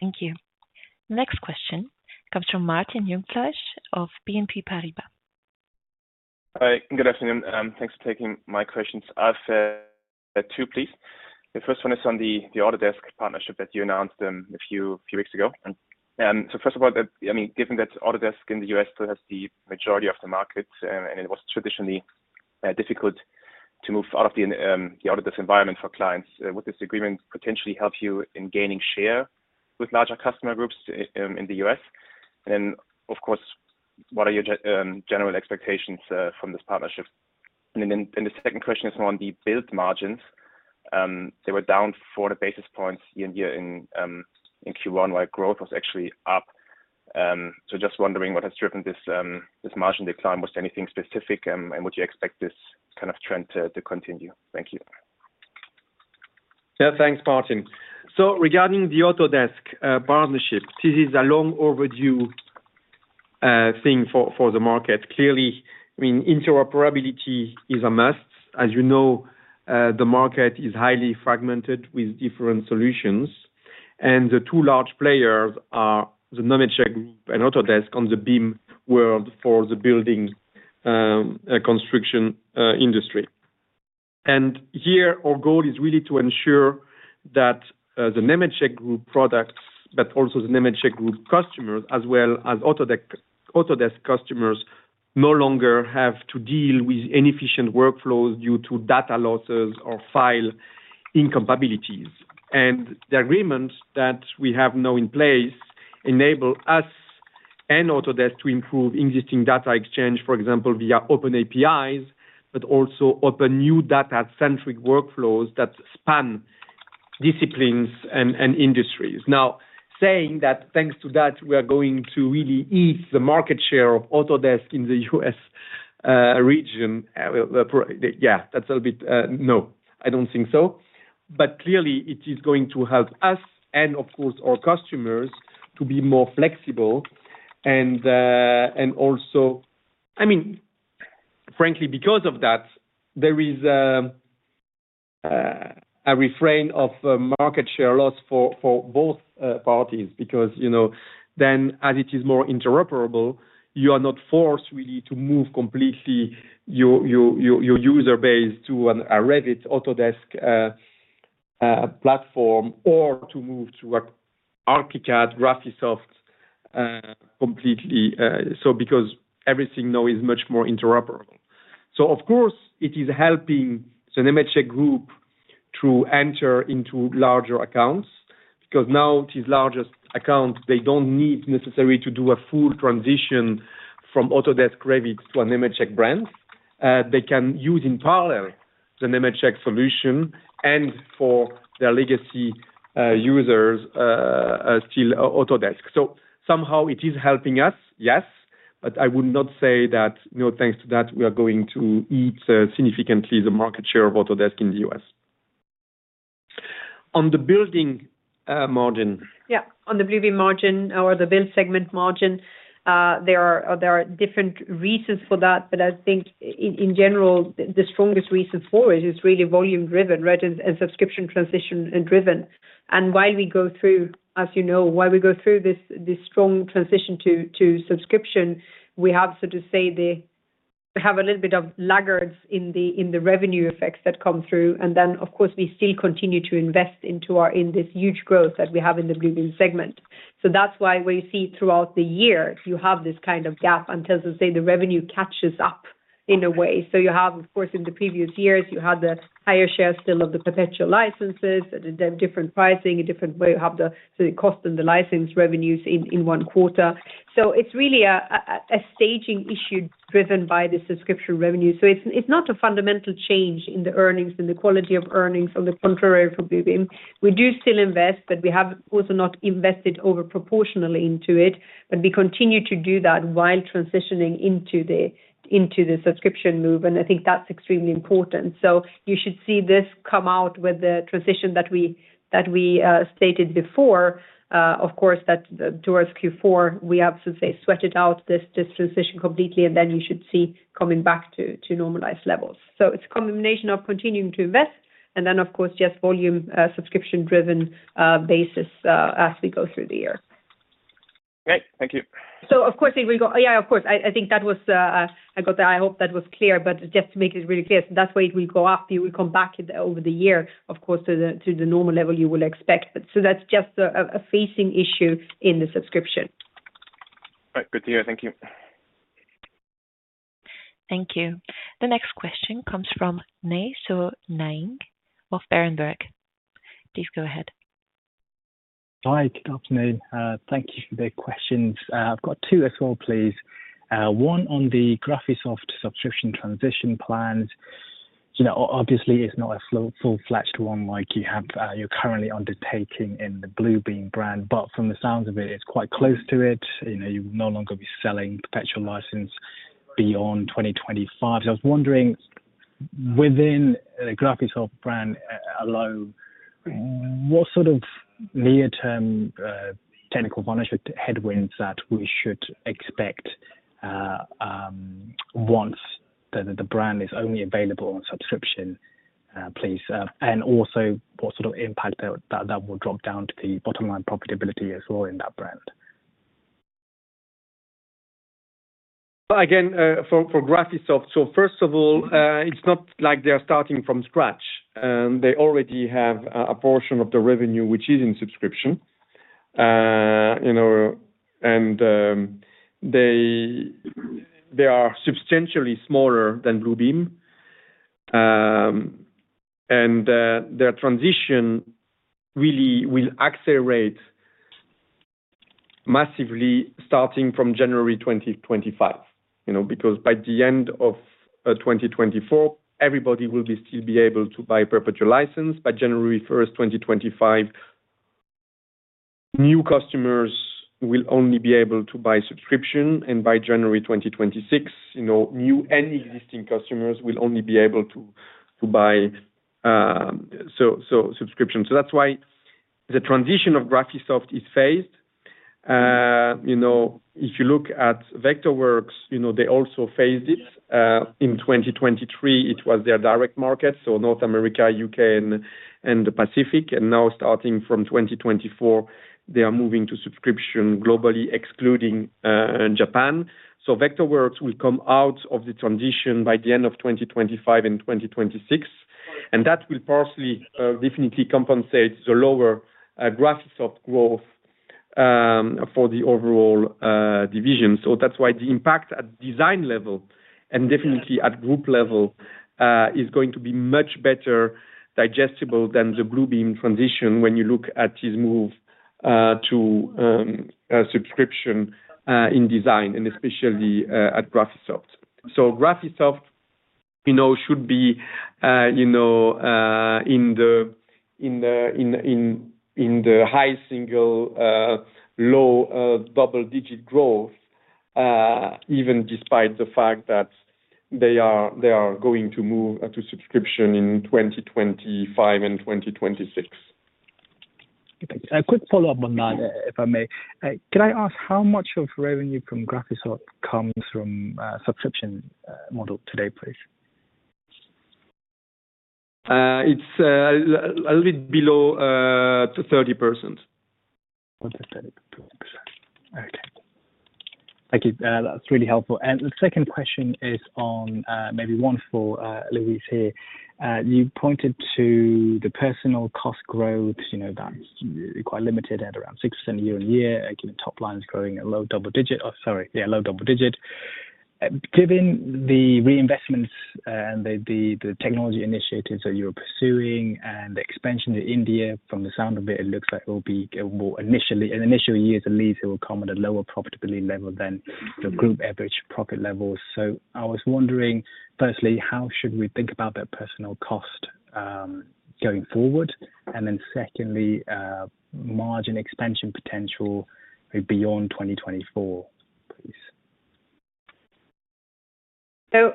Speaker 1: Thank you. Next question comes from Martin Jungfleisch of BNP Paribas.
Speaker 8: Hi, good afternoon, thanks for taking my questions. I have two, please. The first one is on the Autodesk partnership that you announced a few weeks ago. First of all, I mean, given that Autodesk in the U.S. still has the majority of the market, and it was traditionally difficult to move out of the Autodesk environment for clients, would this agreement potentially help you in gaining share with larger customer groups in the U.S.? And then, of course, what are your general expectations from this partnership? And then, the second question is on the Build margins. They were down 40 basis points year-over-year in Q1, while growth was actually up. So just wondering what has driven this margin decline. Was it anything specific? And would you expect this kind of trend to continue? Thank you.
Speaker 3: Yeah, thanks, Martin. So regarding the Autodesk partnership, this is a long overdue thing for the market. Clearly, I mean, interoperability is a must. As you know, the market is highly fragmented with different solutions, and the two large players are the Nemetschek Group and Autodesk on the BIM world for the building construction industry. And here our goal is really to ensure that the Nemetschek Group products, but also the Nemetschek Group customers, as well as Autodesk customers, no longer have to deal with inefficient workflows due to data losses or file incompatibilities. And the agreements that we have now in place enable us and Autodesk to improve existing data exchange, for example, via open APIs, but also open new data-centric workflows that span disciplines and industries. Now, saying that, thanks to that, we are going to really ease the market share of Autodesk in the U.S. region. Yeah, that's a bit... No, I don't think so. But clearly it is going to help us and of course, our customers, to be more flexible. And also... I mean, frankly, because of that, there is a refrain of market share loss for both parties. Because, you know, then as it is more interoperable, you are not forced really to move completely your user base to a Revit Autodesk platform, or to move to an Archicad Graphisoft completely, so because everything now is much more interoperable. So of course, it is helping the Nemetschek Group to enter into larger accounts, because now these largest accounts, they don't need necessarily to do a full transition from Autodesk Revit to a Nemetschek brand. They can use in parallel the Nemetschek solution and for their legacy users still Autodesk. So somehow it is helping us, yes, but I would not say that, you know, thanks to that, we are going to eat significantly the market share of Autodesk in the US. On the building margin-
Speaker 4: Yeah, on the Build margin or the Build segment margin, there are different reasons for that, but I think in general, the strongest reasons for it is really volume driven, right, and subscription transition driven. And while we go through, as you know, while we go through this strong transition to subscription, we have so to say a little bit of laggards in the revenue effects that come through. And then, of course, we still continue to invest in this huge growth that we have in the Build segment. So that's why when you see throughout the year, you have this kind of gap until, let's say, the revenue catches up in a way. So you have, of course, in the previous years, you had the higher share still of the perpetual licenses and the different pricing, a different way. You have the, so the cost and the license revenues in one quarter. So it's really a staging issue driven by the subscription revenue. So it's not a fundamental change in the earnings and the quality of earnings on the contrary, for Bluebeam. We do still invest, but we have also not invested over proportionally into it. But we continue to do that while transitioning into the, into the subscription move, and I think that's extremely important. So you should see this come out with the transition that we stated before. Of course, that towards Q4, we have to say sweat it out, this transition completely, and then you should see coming back to normalized levels. So it's a combination of continuing to invest and then of course, just volume, subscription driven basis as we go through the year.
Speaker 8: Great. Thank you.
Speaker 4: So of course, it will go. Yeah, of course. I, I think that was, I got that. I hope that was clear, but just to make it really clear, so that's why it will go up, it will come back over the year, of course, to the, to the normal level you will expect. But so that's just a phasing issue in the subscription.
Speaker 8: All right. Good to hear. Thank you.
Speaker 1: Thank you. The next question comes from Nay Soe Naing of Berenberg. Please go ahead.
Speaker 9: Hi, good afternoon. Thank you for the questions. I've got two as well, please. One on the Graphisoft subscription transition plans. You know, obviously, it's not a full-fledged one like you have, you're currently undertaking in the Bluebeam brand, but from the sounds of it, it's quite close to it. You know, you'll no longer be selling perpetual license beyond 2025. So I was wondering, within the Graphisoft brand alone, what sort of near-term technical management headwinds that we should expect once the brand is only available on subscription, please? And also, what sort of impact that will drop down to the bottom line profitability as well in that brand?
Speaker 3: Again, for Graphisoft, so first of all, it's not like they are starting from scratch. They already have a portion of the revenue, which is in subscription. You know, and they are substantially smaller than Bluebeam. And their transition really will accelerate massively starting from January 2025, you know, because by the end of 2024, everybody will still be able to buy perpetual license. By January 1st, 2025, new customers will only be able to buy subscription, and by January 2026, you know, new and existing customers will only be able to buy subscription. So that's why the transition of Graphisoft is phased. You know, if you look at Vectorworks, you know, they also phased it. In 2023, it was their direct market, so North America, U.K. and the Pacific. And now starting from 2024, they are moving to subscription globally, excluding Japan. So Vectorworks will come out of the transition by the end of 2025 and 2026, and that will partially definitely compensate the lower Graphisoft growth for the overall division. So that's why the impact at design level and definitely at group level is going to be much better digestible than the Bluebeam transition when you look at this move to a subscription in design and especially at Graphisoft. Graphisoft, you know, should be, you know, in the high single-digit, low double-digit growth, even despite the fact that they are going to move to subscription in 2025 and 2026.
Speaker 9: Okay. A quick follow-up on that, if I may. Can I ask how much of revenue from Graphisoft comes from subscription model today, please?
Speaker 3: It's a little bit below 30%.
Speaker 9: Okay. Thank you. That's really helpful. And the second question is on, maybe one for, Louise here. You pointed to the personnel cost growth, you know, that's quite limited at around 6% year-over-year, again, top line is growing at low double digit. Oh, sorry, yeah, low double digit. Given the reinvestments and the technology initiatives that you're pursuing and the expansion to India, from the sound of it, it looks like it will be more initially, in initial years at least, it will come at a lower profitability level than the group average profit levels. So I was wondering, firstly, how should we think about that personnel cost going forward? And then secondly, margin expansion potential beyond 2024, please.
Speaker 4: So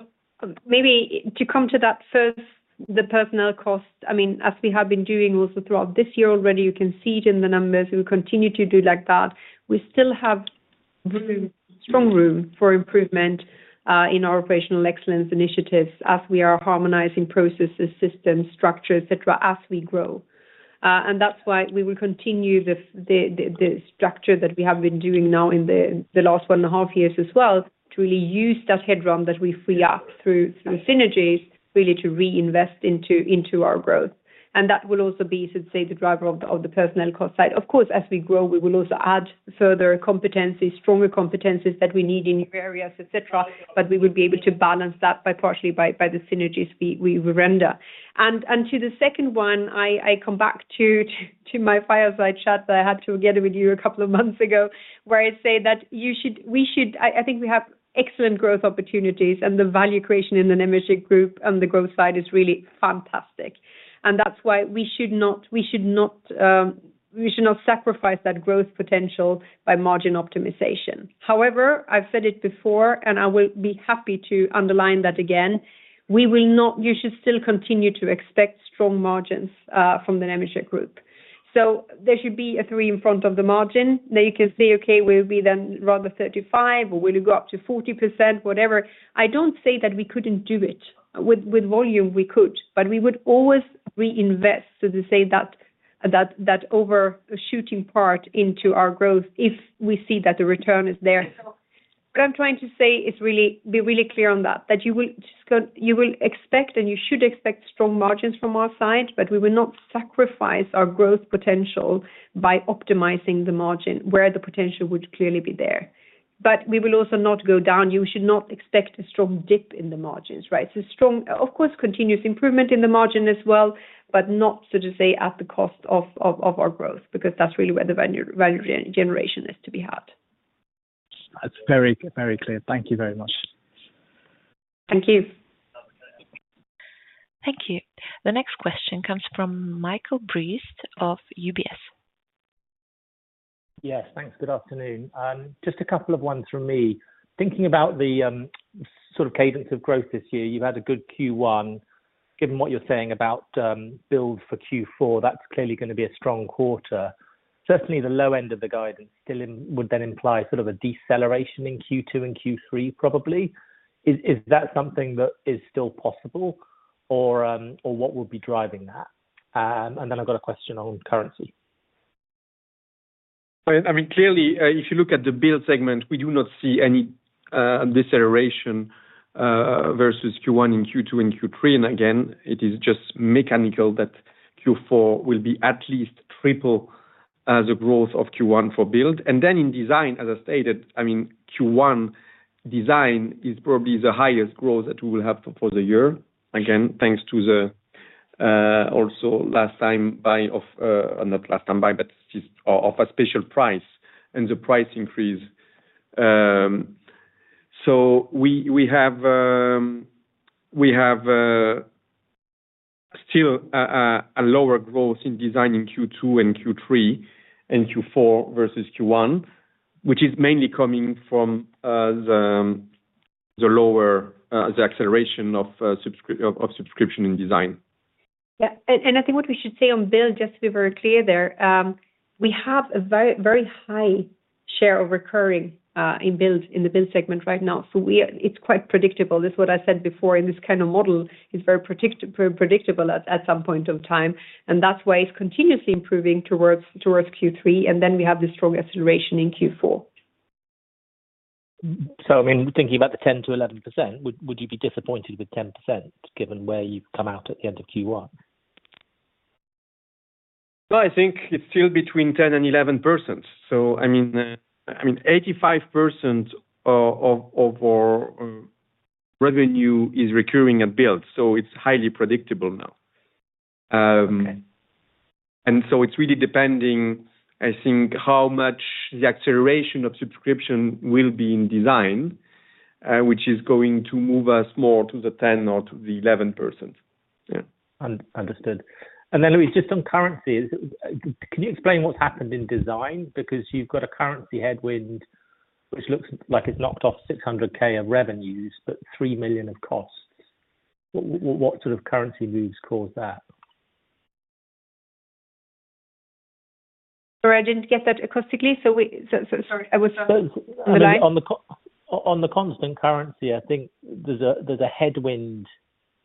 Speaker 4: maybe to come to that first, the personnel cost, I mean, as we have been doing also throughout this year already, you can see it in the numbers. We continue to do like that. We still have room, strong room for improvement in our operational excellence initiatives as we are harmonizing processes, systems, structures, et cetera, as we grow. And that's why we will continue the structure that we have been doing now in the last one and a half years as well, to really use that headroom that we free up through synergies, really to reinvest into our growth. And that will also be, so to say, the driver of the personnel cost side. Of course, as we grow, we will also add further competencies, stronger competencies that we need in new areas, et cetera, but we would be able to balance that partially by the synergies we render. And to the second one, I come back to my fireside chat that I had together with you a couple of months ago, where I say that you should-we should-I think we have excellent growth opportunities, and the value creation in the Nemetschek Group on the growth side is really fantastic. And that's why we should not sacrifice that growth potential by margin optimization. However, I've said it before, and I will be happy to underline that again. We will not. You should still continue to expect strong margins from the Nemetschek Group. So there should be a three in front of the margin. Now, you can say, "Okay, will it be then rather 35%, or will it go up to 40%?" Whatever. I don't say that we couldn't do it. With volume, we could, but we would always reinvest, so to say that overshooting part into our growth if we see that the return is there. What I'm trying to say is really, be really clear on that, that you will just go... You will expect, and you should expect strong margins from our side, but we will not sacrifice our growth potential by optimizing the margin, where the potential would clearly be there. But we will also not go down. You should not expect a strong dip in the margins, right? So strong, of course, continuous improvement in the margin as well, but not so to say, at the cost of our growth, because that's really where the value generation is to be had.
Speaker 9: That's very, very clear. Thank you very much.
Speaker 4: Thank you.
Speaker 3: Thank you.
Speaker 1: Thank you. The next question comes from Michael Briest of UBS.
Speaker 10: Yes. Thanks. Good afternoon. Just a couple of ones from me. Thinking about the sort of cadence of growth this year, you've had a good Q1. Given what you're saying about build for Q4, that's clearly gonna be a strong quarter. Certainly, the low end of the guidance still would then imply sort of a deceleration in Q2 and Q3, probably. Is that something that is still possible, or or what would be driving that? And then I've got a question on currency.
Speaker 3: I mean, clearly, if you look at the build segment, we do not see any deceleration versus Q1 and Q2 and Q3. And again, it is just mechanical that Q4 will be at least triple the growth of Q1 for build. And then in design, as I stated, I mean, Q1 design is probably the highest growth that we will have for the year. Again, thanks to the also last time buy of, not last time buy, but just of a special price and the price increase. So we have still a lower growth in design in Q2 and Q3 and Q4 versus Q1, which is mainly coming from the lower acceleration of subscription in design.
Speaker 4: Yeah. And I think what we should say on build, just to be very clear there, we have a very, very high share of recurring in build, in the build segment right now. So we are—it's quite predictable. This is what I said before, in this kind of model, it's very predictable at some point of time, and that's why it's continuously improving towards Q3, and then we have the strong acceleration in Q4.
Speaker 10: So, I mean, thinking about the 10%-11%, would you be disappointed with 10%, given where you've come out at the end of Q1?
Speaker 3: Well, I think it's still between 10% and 11%. So I mean, I mean, 85% of our revenue is recurring at build, so it's highly predictable now.
Speaker 10: Okay.
Speaker 3: And so it's really depending, I think, how much the acceleration of subscription will be in design, which is going to move us more to the 10% or to the 11%. Yeah.
Speaker 10: Understood. And then Louise, just on currencies, can you explain what's happened in design? Because you've got a currency headwind, which looks like it's knocked off 600 thousand of revenues, but 3 million of costs. What sort of currency moves caused that?
Speaker 4: Sorry, I didn't get that acoustically, so sorry, I was Louise?
Speaker 10: On the constant currency, I think there's a headwind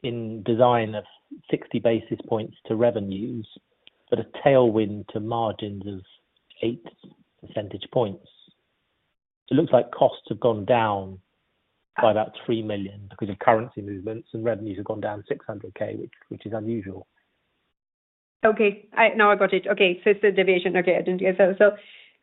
Speaker 10: in design of 60 basis points to revenues, but a tailwind to margins of 8 percentage points. So it looks like costs have gone down by about 3 million because of currency movements, and revenues have gone down 600,000, which is unusual.
Speaker 4: Okay. Now, I got it. Okay, so it's a deviation. Okay. I didn't get that.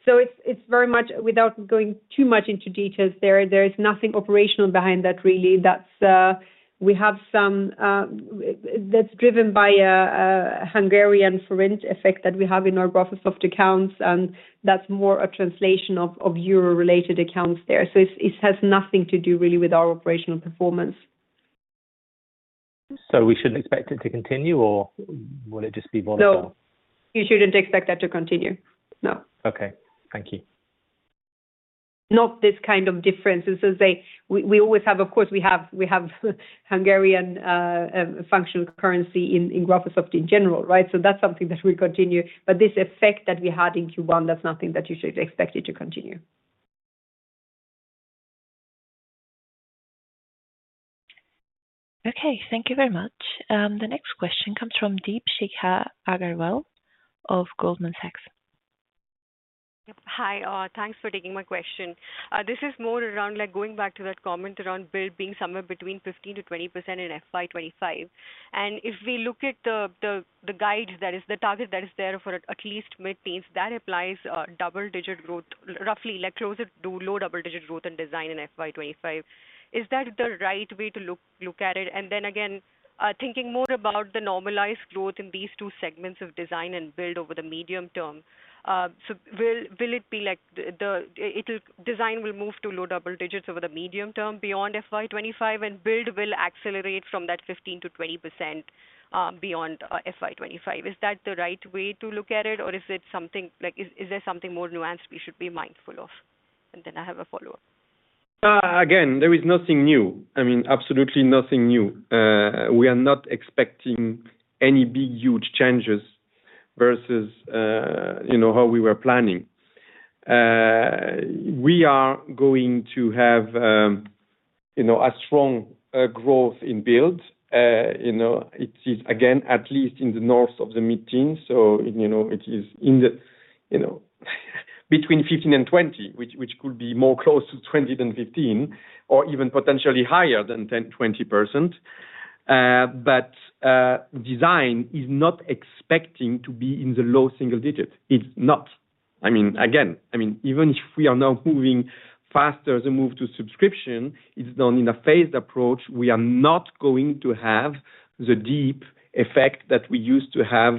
Speaker 4: So, it's very much without going too much into details there, there is nothing operational behind that, really. That's. We have some, that's driven by a Hungarian forint effect that we have in our Graphisoft accounts, and that's more a translation of euro-related accounts there. So it has nothing to do really with our operational performance.
Speaker 10: We shouldn't expect it to continue, or will it just be volatile?
Speaker 4: No, you shouldn't expect that to continue. No.
Speaker 10: Okay, thank you.
Speaker 4: Not this kind of difference. And so, say, we always have. Of course, we have Hungarian functional currency in Graphisoft in general, right? So that's something that will continue, but this effect that we had in Q1, that's nothing that you should expect it to continue.
Speaker 1: Okay, thank you very much. The next question comes from Deepshikha Agarwal of Goldman Sachs.
Speaker 11: Hi, thanks for taking my question. This is more around, like, going back to that comment around build being somewhere between 15%-20% in FY 2025. And if we look at the guide, that is the target that is there for at least mid-teens, that applies double-digit growth, roughly like close to low double-digit growth in design in FY 2025. Is that the right way to look at it? And then again, thinking more about the normalized growth in these two segments of design and build over the medium term, so will it be like Design will move to low double digits over the medium term beyond FY 2025, and build will accelerate from that 15%-20%, beyond FY 2025. Is that the right way to look at it, or is it something, like, is there something more nuanced we should be mindful of? And then I have a follow-up.
Speaker 3: Again, there is nothing new. I mean, absolutely nothing new. We are not expecting any big, huge changes versus, you know, how we were planning. We are going to have, you know, a strong, growth in Build. You know, it is again, at least in the north of the mid-teens. So, you know, it is in the, you know, between 15% and 20%, which could be more close to 20% than 15%, or even potentially higher than 20%. But, Design is not expecting to be in the low single digits. It's not. I mean, again, even if we are now moving faster, the move to subscription is done in a phased approach. We are not going to have the deep effect that we used to have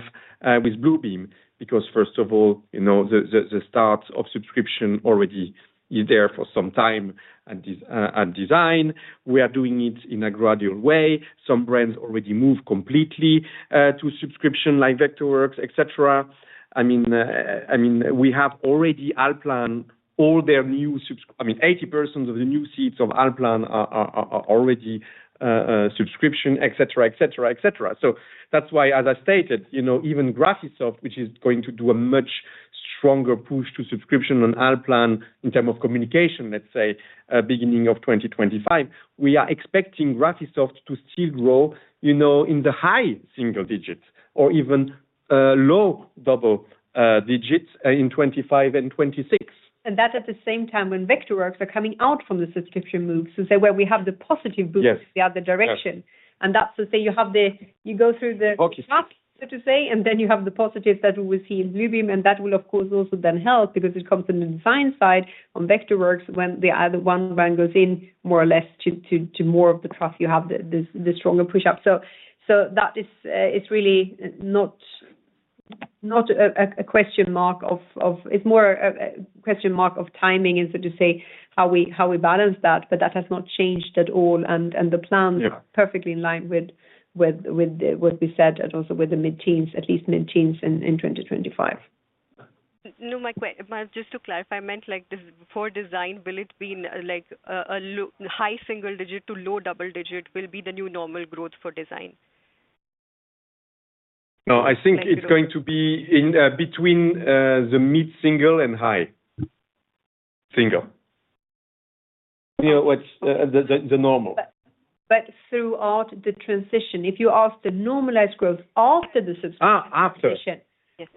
Speaker 3: with Bluebeam, because first of all, you know, the start of subscription already is there for some time, and is, and design, we are doing it in a gradual way. Some brands already moved completely to subscription, like Vectorworks, et cetera. I mean, we have already Allplan, all their new I mean, 80% of the new seats of Allplan are already subscription, et cetera, et cetera, et cetera. So that's why, as I stated, you know, even Graphisoft, which is going to do a much stronger push to subscription on Allplan in terms of communication, let's say, beginning of 2025, we are expecting Graphisoft to still grow, you know, in the high single digits or even low double digits in 2025 and 2026.
Speaker 4: That's at the same time when Vectorworks are coming out from the subscription move. So say where we have the positive boost.
Speaker 3: Yes.
Speaker 4: the other direction.
Speaker 3: Yes.
Speaker 4: That's to say you have the, you go through the-
Speaker 3: Okay ...
Speaker 4: so to say, and then you have the positives that we see in Bluebeam, and that will of course also then help because it comes from the design side on Vectorworks, when the other one goes in more or less to more of the trough, you have the stronger push up. So that is really not a question mark of, it's more a question mark of timing, and so to say, how we balance that, but that has not changed at all. And the plan-
Speaker 3: Yeah
Speaker 4: is perfectly in line with what we said, and also with the mid-teens, at least mid-teens in 2025.
Speaker 11: No, my question, just to clarify, I meant like this, for design, will it be in like a low to high single digit to low double digit, will be the new normal growth for design?
Speaker 3: No, I think it's going to be in between the mid-single and high single. You know, what's the normal.
Speaker 11: But throughout the transition, if you ask the normalized growth after the subscription-
Speaker 3: Ah, after.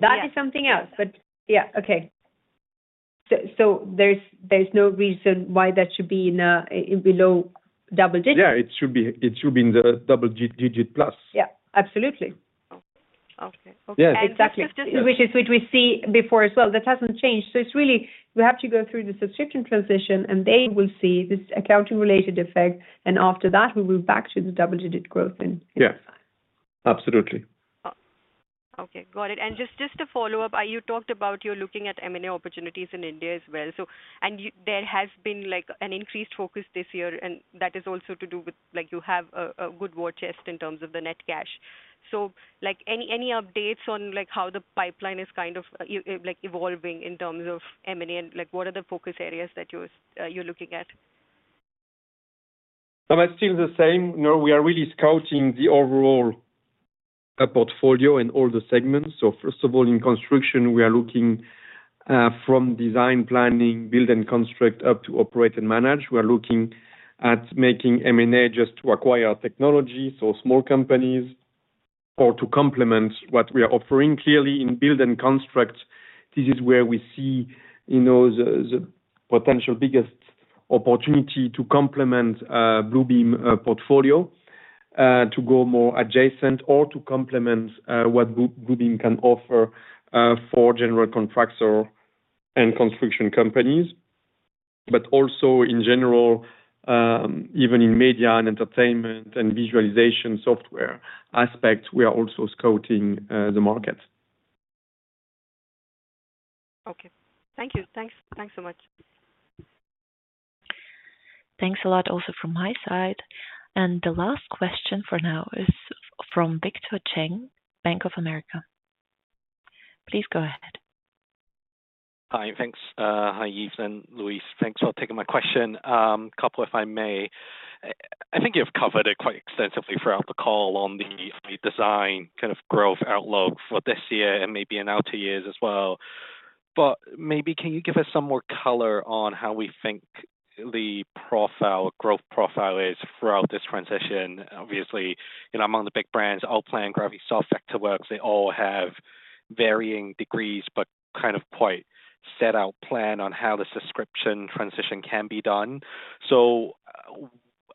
Speaker 4: That is something else,
Speaker 11: but yeah, okay. So, there's no reason why that should be in below double digit?
Speaker 3: Yeah, it should be, it should be in the double-digit plus.
Speaker 4: Yeah, absolutely.
Speaker 11: Okay.
Speaker 3: Yeah, exactly.
Speaker 4: Which is which we see before as well. That hasn't changed. So it's really, we have to go through the subscription transition, and they will see this accounting-related effect, and after that, we move back to the double-digit growth in-
Speaker 3: Yeah.
Speaker 4: -design.
Speaker 3: Absolutely.
Speaker 11: Okay, got it. And just, just to follow up, you talked about you're looking at M&A opportunities in India as well. So, and there has been, like, an increased focus this year, and that is also to do with, like, you have a good war chest in terms of the net cash. So, like, any updates on, like, how the pipeline is kind of, like, evolving in terms of M&A, and, like, what are the focus areas that you're looking at?
Speaker 3: It's still the same. No, we are really scouting the overall portfolio in all the segments. So first of all, in construction, we are looking from design, planning, build and construct, up to operate and manage. We are looking at making M&A just to acquire technology, so small companies, or to complement what we are offering. Clearly, in build and construct, this is where we see, you know, the potential biggest opportunity to complement Bluebeam portfolio to go more adjacent or to complement what Bluebeam can offer for general contractor and construction companies. But also in general, even in media and entertainment and visualization software aspects, we are also scouting the markets.
Speaker 11: Okay. Thank you. Thanks. Thanks so much.
Speaker 1: Thanks a lot also from my side. The last question for now is from Victor Cheng, Bank of America. Please go ahead.
Speaker 12: Hi, thanks. Hi, Yves and Louise. Thanks for taking my question. Couple, if I may. I think you've covered it quite extensively throughout the call on the design, kind of, growth outlook for this year and maybe in out years as well. But maybe can you give us some more color on how we think the profile, growth profile is throughout this transition? Obviously, you know, among the big brands, Allplan, Graphisoft, Vectorworks, they all have varying degrees, but kind of quite set out plan on how the subscription transition can be done. So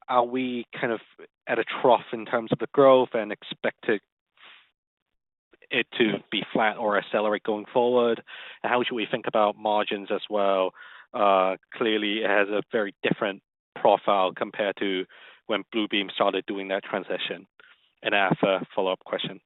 Speaker 12: are we kind of at a trough in terms of the growth and expect it to be flat or accelerate going forward? And how should we think about margins as well? Clearly, it has a very different profile compared to when Bluebeam started doing that transition. I have a follow-up question.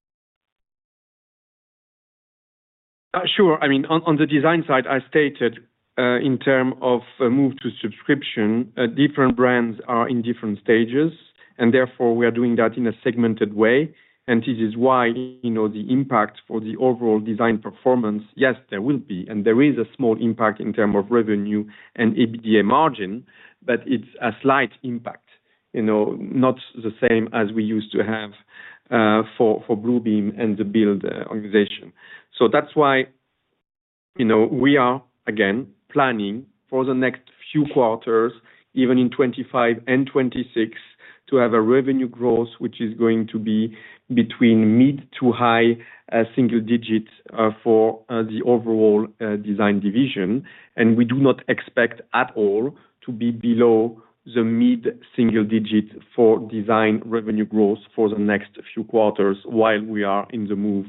Speaker 3: Sure. I mean, on the design side, I stated in terms of a move to subscription, different brands are in different stages, and therefore, we are doing that in a segmented way. And this is why, you know, the impact for the overall design performance, yes, there will be, and there is a small impact in terms of revenue and EBITDA margin, but it's a slight impact. You know, not the same as we used to have for Bluebeam and the build organization. So that's why, you know, we are again planning for the next few quarters, even in 2025 and 2026, to have a revenue growth, which is going to be between mid- to high-single digits for the overall design division. And we do not expect at all to be below the mid-single digit for design revenue growth for the next few quarters while we are in the move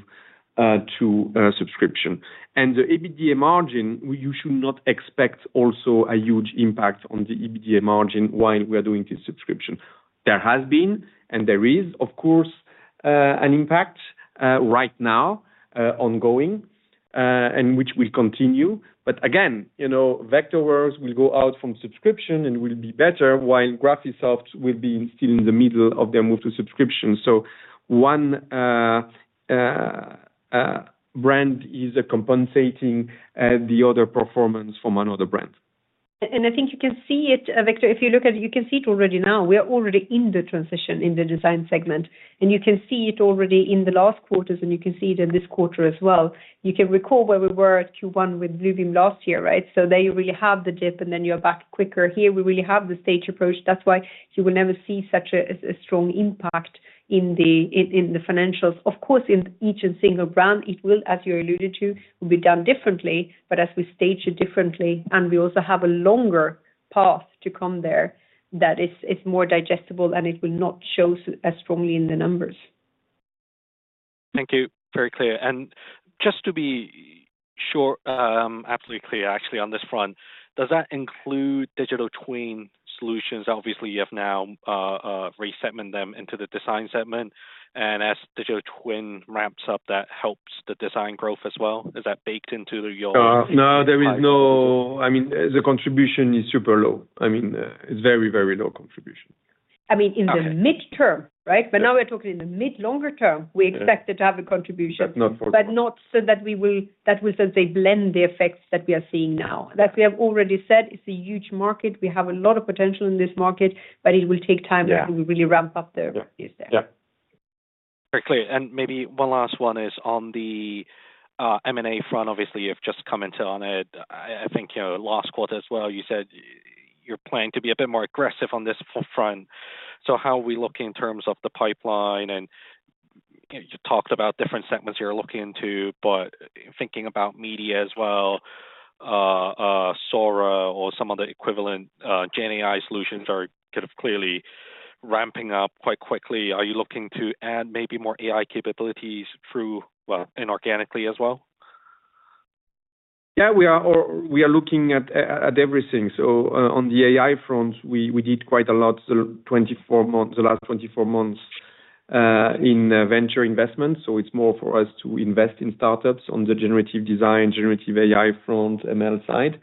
Speaker 3: to subscription. And the EBITDA margin. You should not expect also a huge impact on the EBITDA margin while we are doing this subscription. There has been, and there is, of course, an impact right now ongoing, and which will continue. But again, you know, Vectorworks will go out from subscription and will be better, while Graphisoft will be still in the middle of their move to subscription. So one brand is compensating the other performance from another brand.
Speaker 4: I think you can see it, Victor, if you look at it, you can see it already now. We are already in the transition in the design segment, and you can see it already in the last quarters, and you can see it in this quarter as well. You can recall where we were at Q1 with Bluebeam last year, right? So there you really have the dip, and then you're back quicker. Here, we really have the stage approach. That's why you will never see such a strong impact in the financials. Of course, in each and single brand, it will, as you alluded to, will be done differently, but as we stage it differently, and we also have a longer path to come there, that it's more digestible, and it will not show as strongly in the numbers.
Speaker 12: Thank you. Very clear. Sure, absolutely clear. Actually, on this front, does that include Digital Twin solutions? Obviously, you have now re-segmented them into the Design segment, and as Digital Twin ramps up, that helps the Design growth as well. Is that baked into your-
Speaker 3: No, there is no. I mean, the contribution is super low. I mean, it's very, very low contribution.
Speaker 4: I mean, in the midterm, right? But now we're talking in the mid longer term, we expect it to have a contribution.
Speaker 3: But not for-
Speaker 4: But not so that we will, as I say, blend the effects that we are seeing now. Like we have already said, it's a huge market. We have a lot of potential in this market, but it will take time-
Speaker 3: Yeah...
Speaker 4: before we really ramp up.
Speaker 3: Yeah. Yeah.
Speaker 12: Very clear. Maybe one last one is on the M&A front. Obviously, you've just commented on it. I think, you know, last quarter as well, you said you're planning to be a bit more aggressive on this front. So how are we looking in terms of the pipeline? You talked about different segments you're looking into, but thinking about media as well, Sora or some other equivalent GenAI solutions are kind of clearly ramping up quite quickly. Are you looking to add maybe more AI capabilities through, well, inorganically as well?
Speaker 3: Yeah, we are all-- we are looking at everything. So, on the AI front, we did quite a lot, the 24 months, the last 24 months, in venture investments. So it's more for us to invest in startups on the generative design, generative AI front, ML side.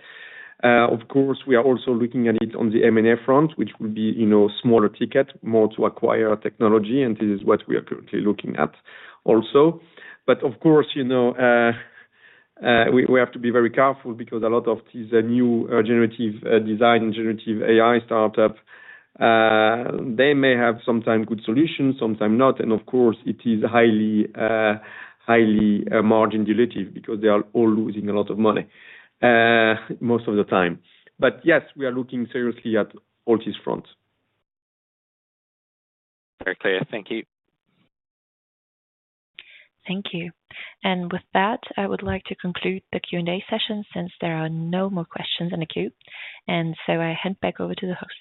Speaker 3: Of course, we are also looking at it on the M&A front, which would be, you know, smaller ticket, more to acquire technology, and this is what we are currently looking at also. But of course, you know, we have to be very careful because a lot of these new generative design, generative AI startup, they may have sometime good solutions, sometime not. And of course, it is highly, highly margin dilutive because they are all losing a lot of money, most of the time. Yes, we are looking seriously at all these fronts.
Speaker 12: Very clear. Thank you.
Speaker 1: Thank you. With that, I would like to conclude the Q&A session, since there are no more questions in the queue. And so I hand back over to the host.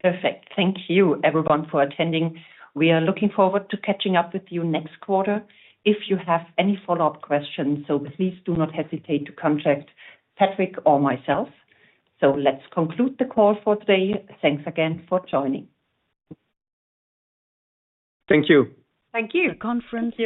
Speaker 2: Perfect. Thank you everyone for attending. We are looking forward to catching up with you next quarter. If you have any follow-up questions, so please do not hesitate to contact Patrick or myself. So let's conclude the call for today. Thanks again for joining.
Speaker 3: Thank you.
Speaker 2: Thank you.
Speaker 1: The conference is-